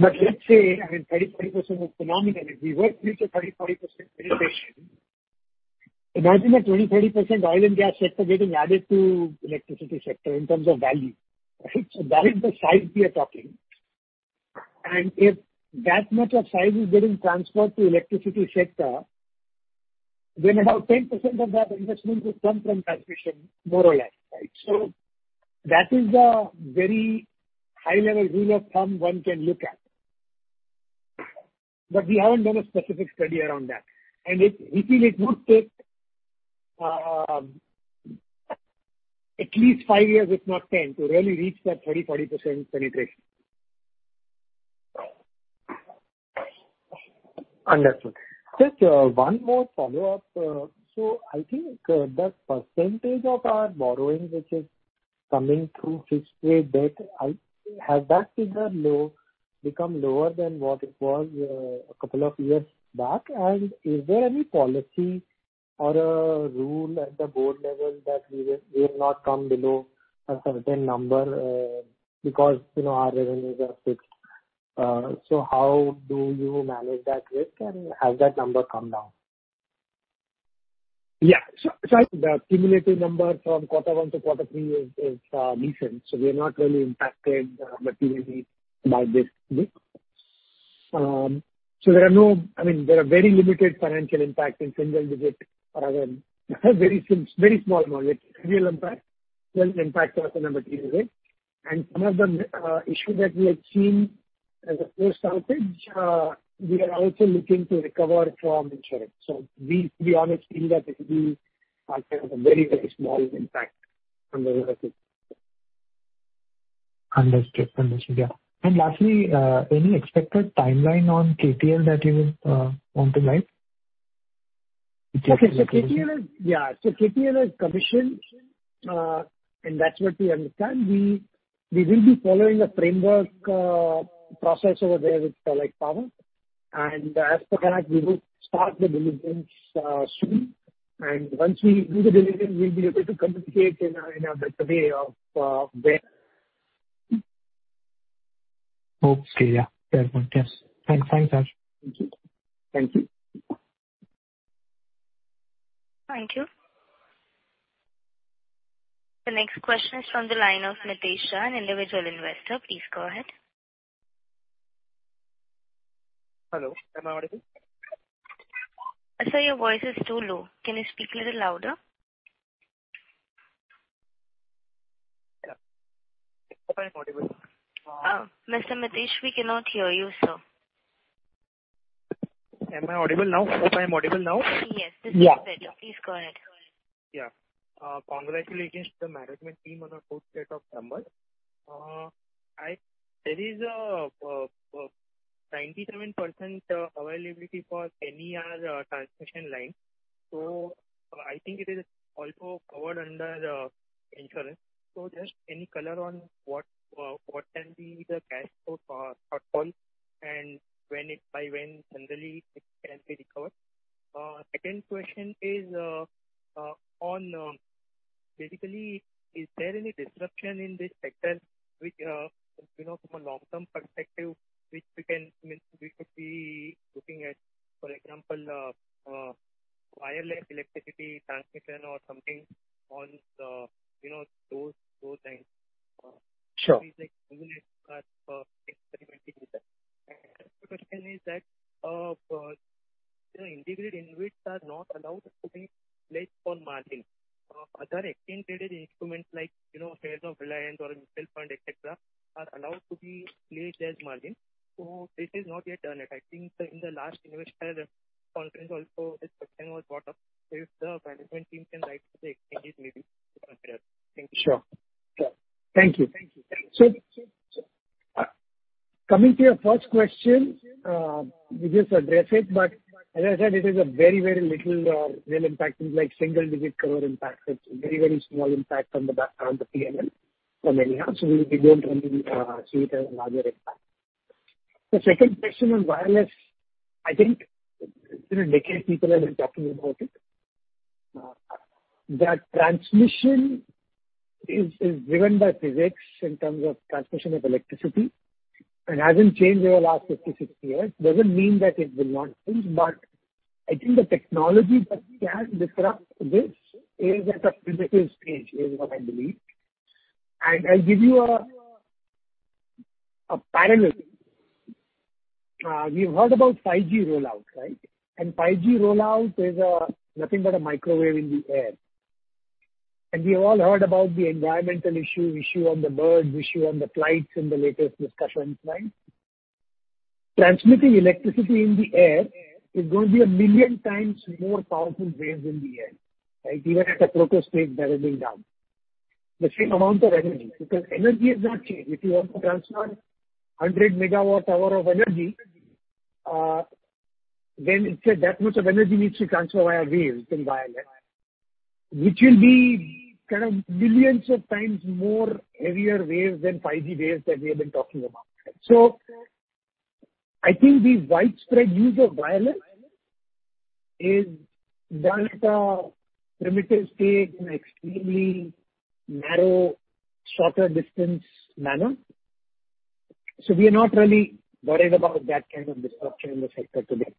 S3: penetration. Let's say, I mean, 30%-40% is phenomenal. If we were to reach a 30%-40% penetration, imagine a 20%-30% oil and gas sector getting added to electricity sector in terms of value, right? That is the size we are talking. If that much of size is getting transferred to electricity sector, then about 10% of that investment will come from transmission, more or less, right? That is the very high level rule of thumb one can look at. We haven't done a specific study around that. We feel it would take at least five years, if not 10, to really reach that 30%-40% penetration.
S9: Understood. Just one more follow-up. I think the percentage of our borrowing which is coming through fixed rate debt, has that figure become lower than what it was a couple of years back? Is there any policy or a rule at the board level that we will not come below a certain number because you know our revenues are fixed? How do you manage that risk, and has that number come down?
S3: Yeah. The cumulative number from quarter one to quarter three is decent, so we are not really impacted materially by this group. I mean, there are very limited financial impact in single digit revenue. Very small margin. Real impact was on the material rate. Some of the issue that we have seen as a post outage we are also looking to recover from insurance. We, to be honest, feel that it will be kind of a very small impact on the revenue.
S8: Understood. Yeah. Lastly, any expected timeline on KTL that you would want to guide?
S3: Okay. KTL is commissioned, and that's what we understand. We will be following the framework process over there with Sterlite Power. As per that, we will start the diligence soon. Once we do the diligence, we'll be able to communicate in a better way of where.
S8: Okay. Yeah. Fair point. Yes. Thanks, Harsh.
S3: Thank you.
S1: Thank you. The next question is from the line of Mitesh Shah, an individual investor. Please go ahead.
S10: Hello, am I audible?
S1: Sir, your voice is too low. Can you speak a little louder?
S10: Yeah. Am I audible?
S1: Mr. Mitesh, we cannot hear you, sir.
S10: Am I audible now? Hope I'm audible now.
S1: Yes. This is better.
S10: Yeah.
S1: Please go ahead.
S10: Yeah. Congratulations to the management team on a good set of numbers. There is a 97% availability for NER-II transmission line. I think it is also covered under insurance. Just any color on what can be the cash flow shortfall and by when generally it can be recovered? Second question is on, basically, is there any disruption in this sector which, you know, from a long-term perspective, which, I mean, we could be looking at, for example, wireless electricity transmission or something on, you know, those lines?
S3: Sure.
S10: Something like Google is experimenting with that. The second question is that, you know, IndiGrid InvITs are not allowed to be placed for margin. Other exchange-traded instruments like, you know, F&O Reliance or mutual fund, et cetera, are allowed to be placed as margin. It is not yet done. I think in the last investor conference also this question was brought up. If the management team can write to the exchanges maybe to consider. Thank you.
S3: Sure. Thank you.
S10: Thank you.
S3: Coming to your first question, we just address it, but as I said, it is a very, very little real impact, things like single-digit cover impact. It's a very, very small impact on the P&L for many years. So we don't really see it as a larger impact. The second question on wireless, I think for a decade people have been talking about it. That transmission is driven by physics in terms of transmission of electricity. It hasn't changed over the last 50 years, 60 years. It doesn't mean that it will not change, but I think the technology that can disrupt this is at a primitive stage, is what I believe. I'll give you a parallel. We've heard about 5G rollout, right? 5G rollout is nothing but a microwave in the air. We all heard about the environmental issue on the birds, issue on the flights in the latest discussions, right? Transmitting electricity in the air is gonna be a million times more powerful waves in the air, right? Even at the proto stage that is being done. The same amount of energy, because energy is not changed. If you want to transfer 100 MWh of energy, then it's that much of energy needs to transfer via waves in wireless. Which will be kind of millions of times more heavier waves than 5G waves that we have been talking about. I think the widespread use of wireless is done at a primitive stage in extremely narrow, shorter distance manner. We are not really worried about that kind of disruption in the sector today.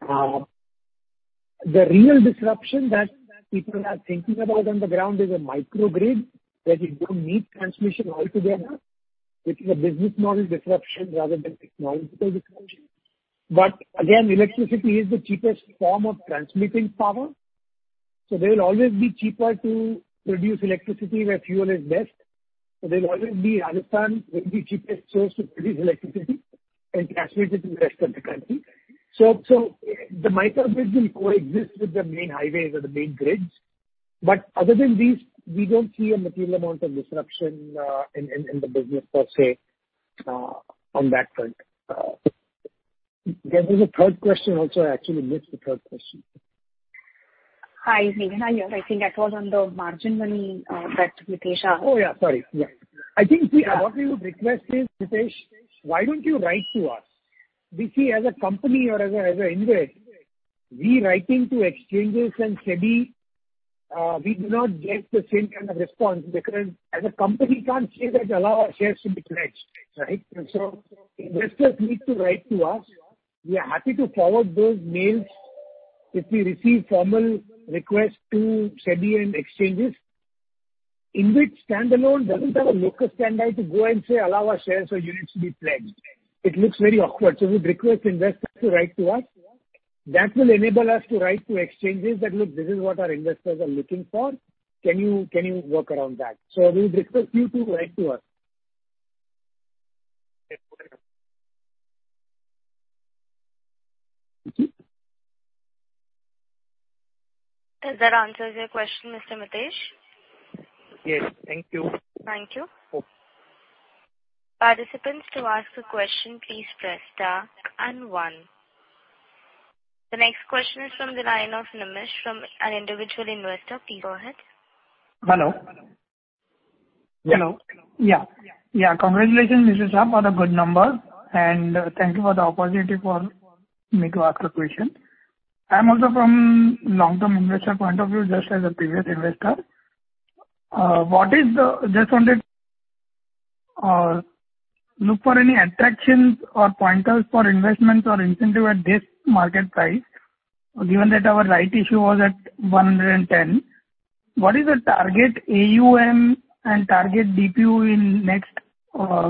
S3: The real disruption that people are thinking about on the ground is a microgrid, where you don't need transmission altogether, which is a business model disruption rather than technological disruption. Again, electricity is the cheapest form of transmitting power. They will always be cheaper to produce electricity where fuel is best. They'll always be. Rajasthan will be cheapest source to produce electricity and transmit it to the rest of the country. The microgrids will coexist with the main highways or the main grids, but other than these, we don't see a material amount of disruption in the business per se, on that front. There is a third question also. I actually missed the third question.
S6: Hi, Meghana here. I think that was on the margin money that Mitesh asked.
S3: Oh, yeah. Sorry. Yeah.
S6: Yeah.
S3: What we would request is, Mitesh, why don't you write to us? We see as a company or as a InvIT, when writing to exchanges and SEBI, we do not get the same kind of response because as a company can't say that allow our shares to be pledged, right? Investors need to write to us. We are happy to forward those mails if we receive formal request to SEBI and exchanges. InvIT standalone doesn't have a locus standi to go and say allow our shares or units to be pledged. It looks very awkward. We would request investors to write to us. That will enable us to write to exchanges that, "Look, this is what our investors are looking for. Can you work around that?" We would request you to write to us.
S6: Does that answer your question, Mr. Mitesh?
S10: Yes. Thank you.
S6: Thank you.
S3: Okay.
S1: The next question is from the line of Nimish from an individual investor. Please go ahead.
S11: Hello. Hello.
S3: Yeah.
S11: Yeah. Yeah, congratulations, Mr. Shah, for the good number, and thank you for the opportunity for me to ask a question. I'm also from long-term investor point of view, just as a previous investor. Just wanted look for any attractions or pointers for investments or incentive at this market price, given that our right issue was at 110. What is the target AUM and target DPU in next,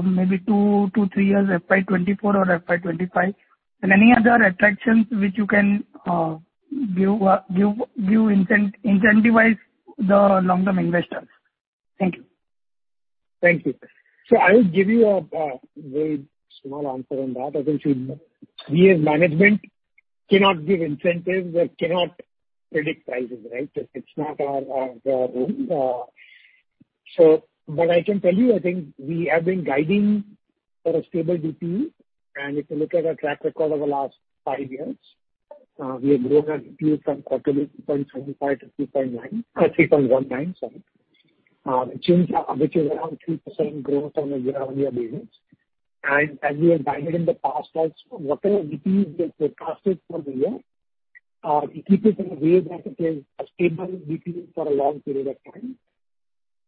S11: maybe two-three years, FY 2024 or FY 2025? And any other attractions which you can give incentivize the long-term investors? Thank you.
S3: Thank you. I'll give you a very small answer on that. As I said, we as management cannot give incentives or cannot predict prices, right? It's not our role. I can tell you, I think we have been guiding for a stable DPU. If you look at our track record over the last five years, we have grown our DPU from quarterly 2.75-2.9, 3.19, sorry. Which is around 3% growth on a year-on-year basis. As we have guided in the past also, whatever DPU is being forecasted for the year, we keep it in a way that it is a stable DPU for a long period of time.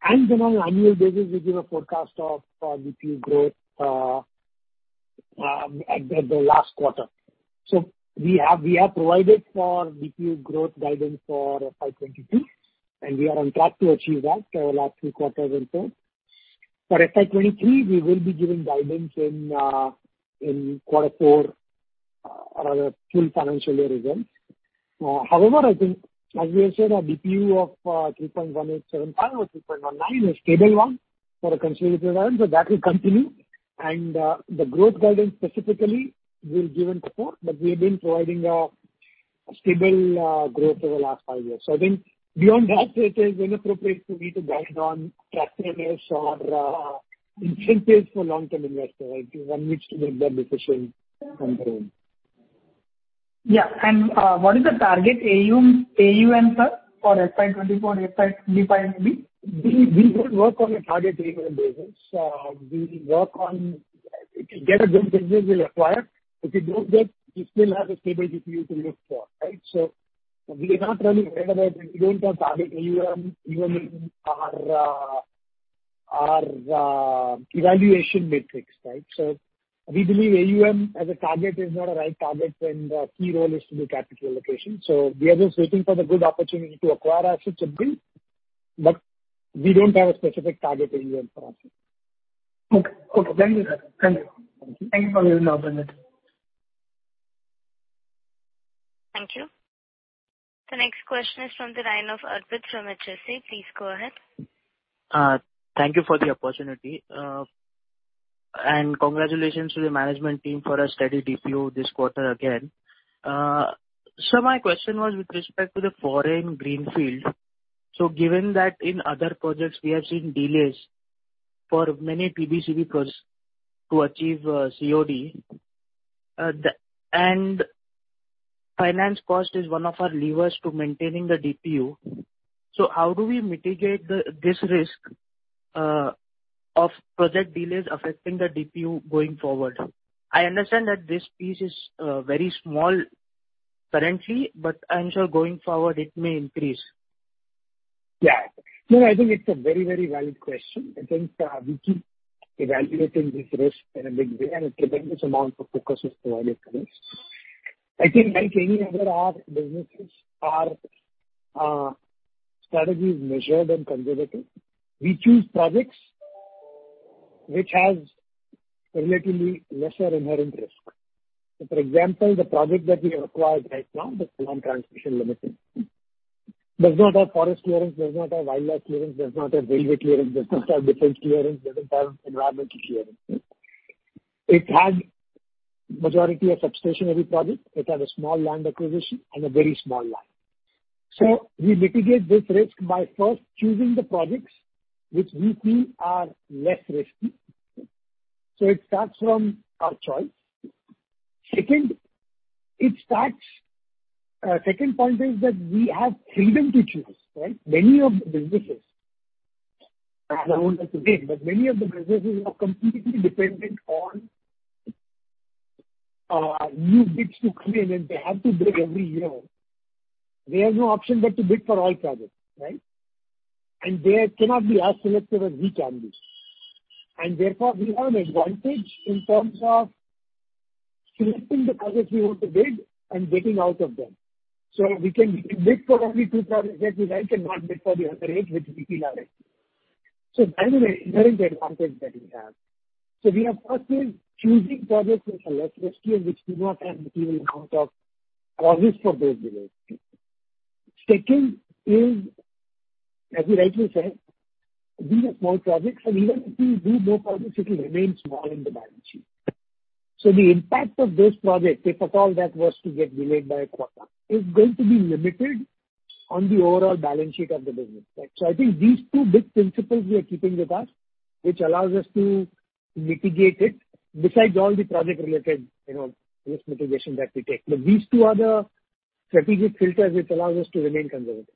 S3: On annual basis, we give a forecast of DPU growth at the last quarter. We have provided for DPU growth guidance for FY 2022, and we are on track to achieve that last two quarters also. For FY 2023, we will be giving guidance in quarter four, our full financial year results. However, I think as we have said, our DPU of 3.1875 or 3.19 is stable one for a considerable time, so that will continue. The growth guidance specifically will be given shortly, but we have been providing stable growth over the last five years. I think beyond that, it is inappropriate for me to guide on attractiveness or incentives for long-term investors. I think one needs to make that decision on their own.
S11: Yeah, what is the target AUM for FY 2024, FY 2025 maybe?
S3: We don't work on a target AUM basis. We work on if we get a good business, we'll acquire. If we don't get, we still have a stable DPU to look for, right? We are not running anywhere, but we don't have target AUM even in our evaluation metrics, right? We believe AUM as a target is not a right target when the key role is to do capital allocation. We are just waiting for the good opportunity to acquire assets to build, but we don't have a specific target AUM for us.
S11: Okay. Thank you, sir, for giving the opportunity.
S1: Thank you. The next question is from the line of Arpit from HSBC. Please go ahead.
S12: Thank you for the opportunity. Congratulations to the management team for a steady DPU this quarter again. My question was with respect to the foreign greenfield. Given that in other projects we have seen delays for many TBCB projects to achieve COD. Finance cost is one of our levers to maintaining the DPU. How do we mitigate this risk of project delays affecting the DPU going forward? I understand that this piece is very small currently, but I'm sure going forward it may increase.
S3: Yeah. No, I think it's a very, very valid question. I think we keep evaluating this risk in a big way, and a tremendous amount of focus is provided to this. I think like any other businesses, our strategy is measured and conservative. We choose projects which has relatively lesser inherent risk. For example, the project that we acquired right now, the Khargone Transmission Limited, does not have forest clearance, does not have wildlife clearance, does not have railway clearance, does not have defense clearance, doesn't have environmental clearance. It has majority of substation-heavy project. It has a small land acquisition and a very small line. We mitigate this risk by first choosing the projects which we feel are less risky. It starts from our choice. Second point is that we have freedom to choose, right? Many of the businesses are completely dependent on new bids to come in, and they have to bid every year. They have no option but to bid for all projects, right? They cannot be as selective as we can be. Therefore, we have an advantage in terms of selecting the projects we want to bid and getting out of them. We can bid for only two projects that we like and not bid for the other eight which we feel are risky. That is an inherent advantage that we have. We are firstly choosing projects which are less risky and which do not have material amount of, or risk of those delays. Second is, as you rightly said, these are small projects, and even if we do no projects, it will remain small in the balance sheet. The impact of those projects, if at all that was to get delayed by a quarter, is going to be limited on the overall balance sheet of the business, right. I think these two big principles we are keeping with us, which allows us to mitigate it besides all the project-related, you know, risk mitigation that we take. These two are the strategic filters which allows us to remain conservative.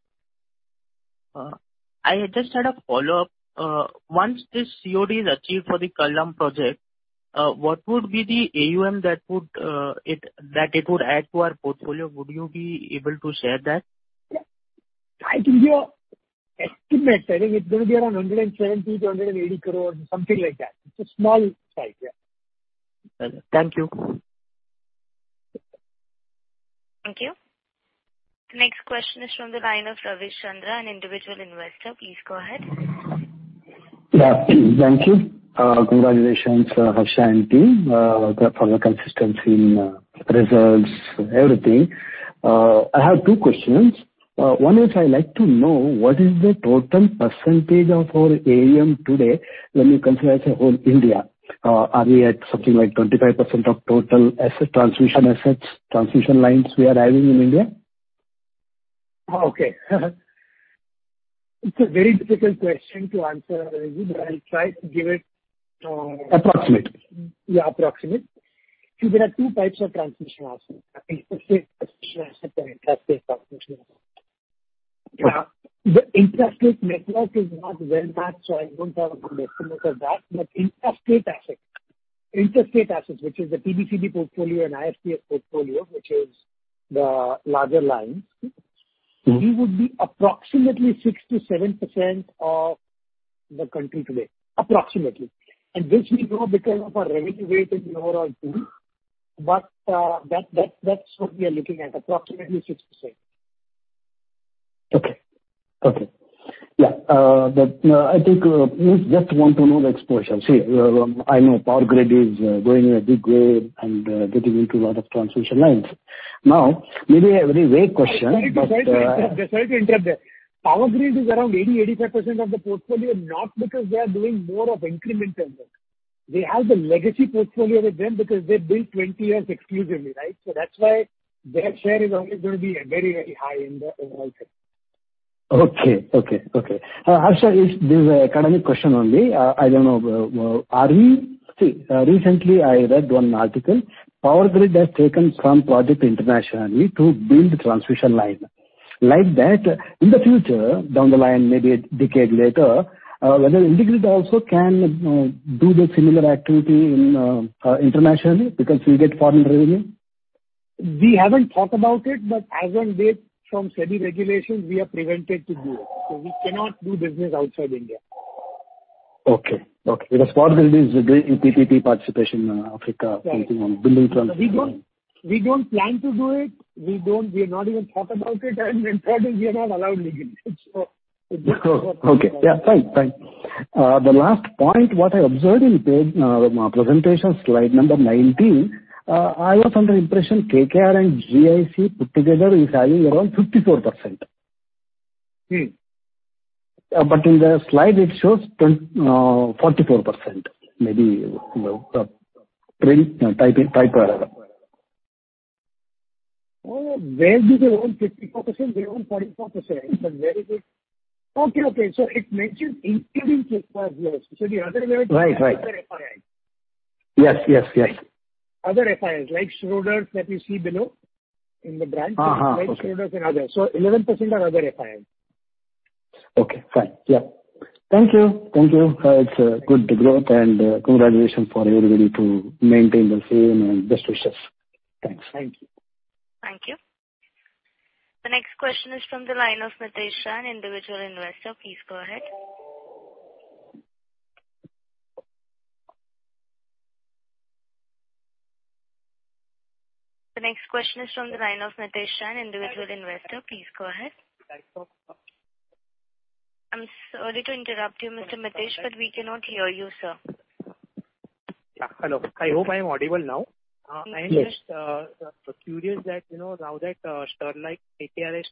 S12: I just had a follow-up. Once this COD is achieved for the Kallam project, what would be the AUM that would add to our portfolio? Would you be able to share that?
S3: I can give estimate. I think it's gonna be around 170 crore-180 crore, something like that. It's a small size, yeah.
S12: Thank you.
S1: Thank you. The next question is from the line of Ravish Chandra, an individual investor. Please go ahead.
S13: Yeah. Thank you. Congratulations, Harsha and team, for the consistency in results, everything. I have two questions. One is I'd like to know what is the total percentage of our AUM today when you consider as a whole India. Are we at something like 25% of total asset, transmission assets, transmission lines we are having in India?
S3: Okay. It's a very difficult question to answer, Ravish Chandra. I'll try to give it.
S13: Approximate.
S3: Yeah, approximate. See, there are two types of transmission assets. Interstate transmission assets and intrastate transmission assets.
S13: Yeah.
S3: The intrastate network is not well mapped, so I don't have a good estimate of that. Interstate assets, which is the TBCB portfolio and ISTS portfolio, which is the larger lines.
S13: Mm-hmm.
S3: We would be approximately 6%-7% of the country today, approximately. This will grow because of our revenue weight in the overall pool. That's what we are looking at, approximately 6%.
S13: Yeah, I think we just want to know the exposure. See, I know Power Grid is growing in a big way and getting into a lot of transmission lines. Now, maybe a very vague question, but
S3: Sorry to interrupt there. PowerGrid is around 80%-85% of the portfolio, not because they are doing more of incremental work. They have the legacy portfolio with them because they've been 20 years exclusively, right? That's why their share is always gonna be very high in the overall share.
S13: Okay. Harsh, this is an academic question only. Recently I read one article. Power Grid has taken some project internationally to build transmission line. Like that, in the future, down the line, maybe a decade later, whether IndiGrid also can do the similar activity internationally because we get foreign revenue.
S3: We haven't thought about it, but as on date, from SEBI regulations, we are prevented to do it. We cannot do business outside India.
S13: Okay. PowerGrid is doing EPC participation in Africa.
S3: Yeah.
S13: Something on building transmission.
S3: We don't plan to do it. We have not even thought about it and importantly we are not allowed legally.
S13: Okay. Yeah, fine. Fine. The last point, what I observed in page, my presentation, slide number 19, I was under the impression KKR and GIC put together is having around 54%.
S3: Mm.
S13: In the slide it shows 44%, maybe, you know, print, typing, typo, whatever.
S3: Oh, where did they own 54%? They own 44%. Where did it? Okay. Okay. It mentions including KKR and GIC. The other way to look-
S13: Right. Right.
S3: at other FII.
S13: Yes.
S3: Other FIIs, like Schroders that you see below in the branch.
S13: Okay.
S3: Like Schroders and others. 11% are other FIIs.
S13: Okay, fine. Yeah. Thank you. It's a good growth, and congratulations for everybody to maintain the same, and best wishes. Thanks.
S3: Thank you.
S1: Thank you. The next question is from the line of Mitesh Shah, individual investor. Please go ahead. I'm sorry to interrupt you, Mr. Mitesh, but we cannot hear you, sir.
S10: Yeah. Hello. I hope I am audible now.
S3: Yes.
S10: I am just curious that, you know, now that Sterlite, KKR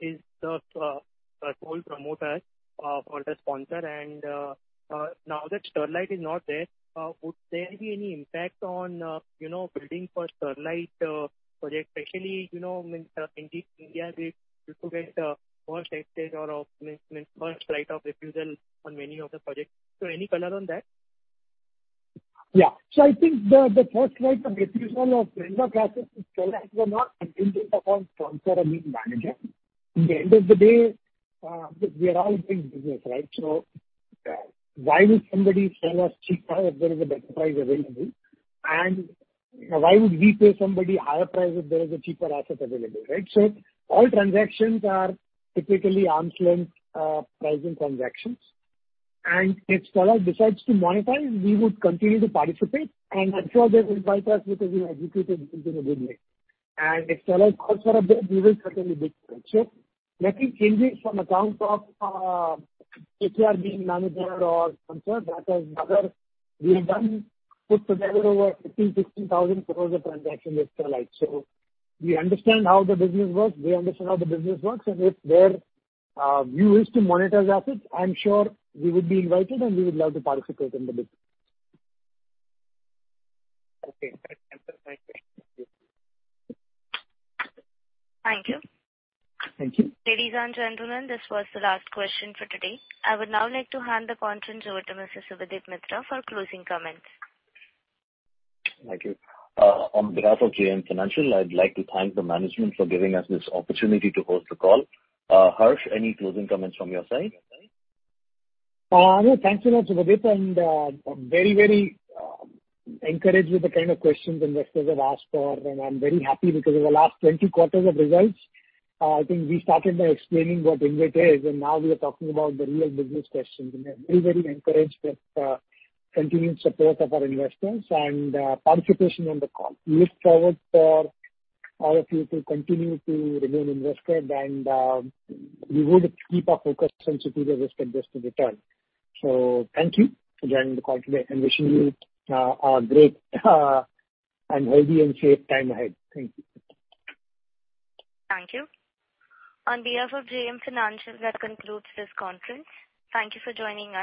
S10: is the sole promoter for the sponsor and now that Sterlite is not there, would there be any impact on, you know, bidding for Sterlite project? Especially, you know, when IndiGrid they used to get first rights or when first right of refusal on many of the projects. Any color on that?
S3: Yeah. I think the first right of refusal or vendor classes with Sterlite were not contingent upon sponsor or being manager. At the end of the day, we are all doing business, right? Why would somebody sell us cheap price if there is a better price available? And why would we pay somebody higher price if there is a cheaper asset available, right? All transactions are typically arm's length pricing transactions. And if Sterlite decides to monetize, we would continue to participate, and I'm sure they will invite us because we have executed things in a good way. And if Sterlite calls for a bid, we will certainly bid for it. Nothing changes on account of KKR being manager or sponsor. That has never. We have put together over INR 15,000 crore-INR 16,000 crore of transactions with Sterlite, so we understand how the business works. If their view is to monetize assets, I'm sure we would be invited, and we would love to participate in the bid.
S10: Okay. That answers my question. Thank you.
S1: Thank you.
S3: Thank you.
S1: Ladies and gentlemen, this was the last question for today. I would now like to hand the conference over to Mr. Subhadip Mitra for closing comments.
S2: Thank you. On behalf of JM Financial, I'd like to thank the management for giving us this opportunity to host the call. Harsh, any closing comments from your side?
S3: Thanks a lot, Subhadip. I'm very encouraged with the kind of questions investors have asked for. I'm very happy because in the last 20 quarters of results, I think we started by explaining what InvIT is, and now we are talking about the real business questions. I'm very encouraged with continued support of our investors and participation on the call. We look forward for all of you to continue to remain invested, and we would keep our focus on superior risk-adjusted return. Thank you for joining the call today, and wishing you a great and healthy and safe time ahead. Thank you.
S1: Thank you. On behalf of JM Financial, that concludes this conference. Thank you for joining us.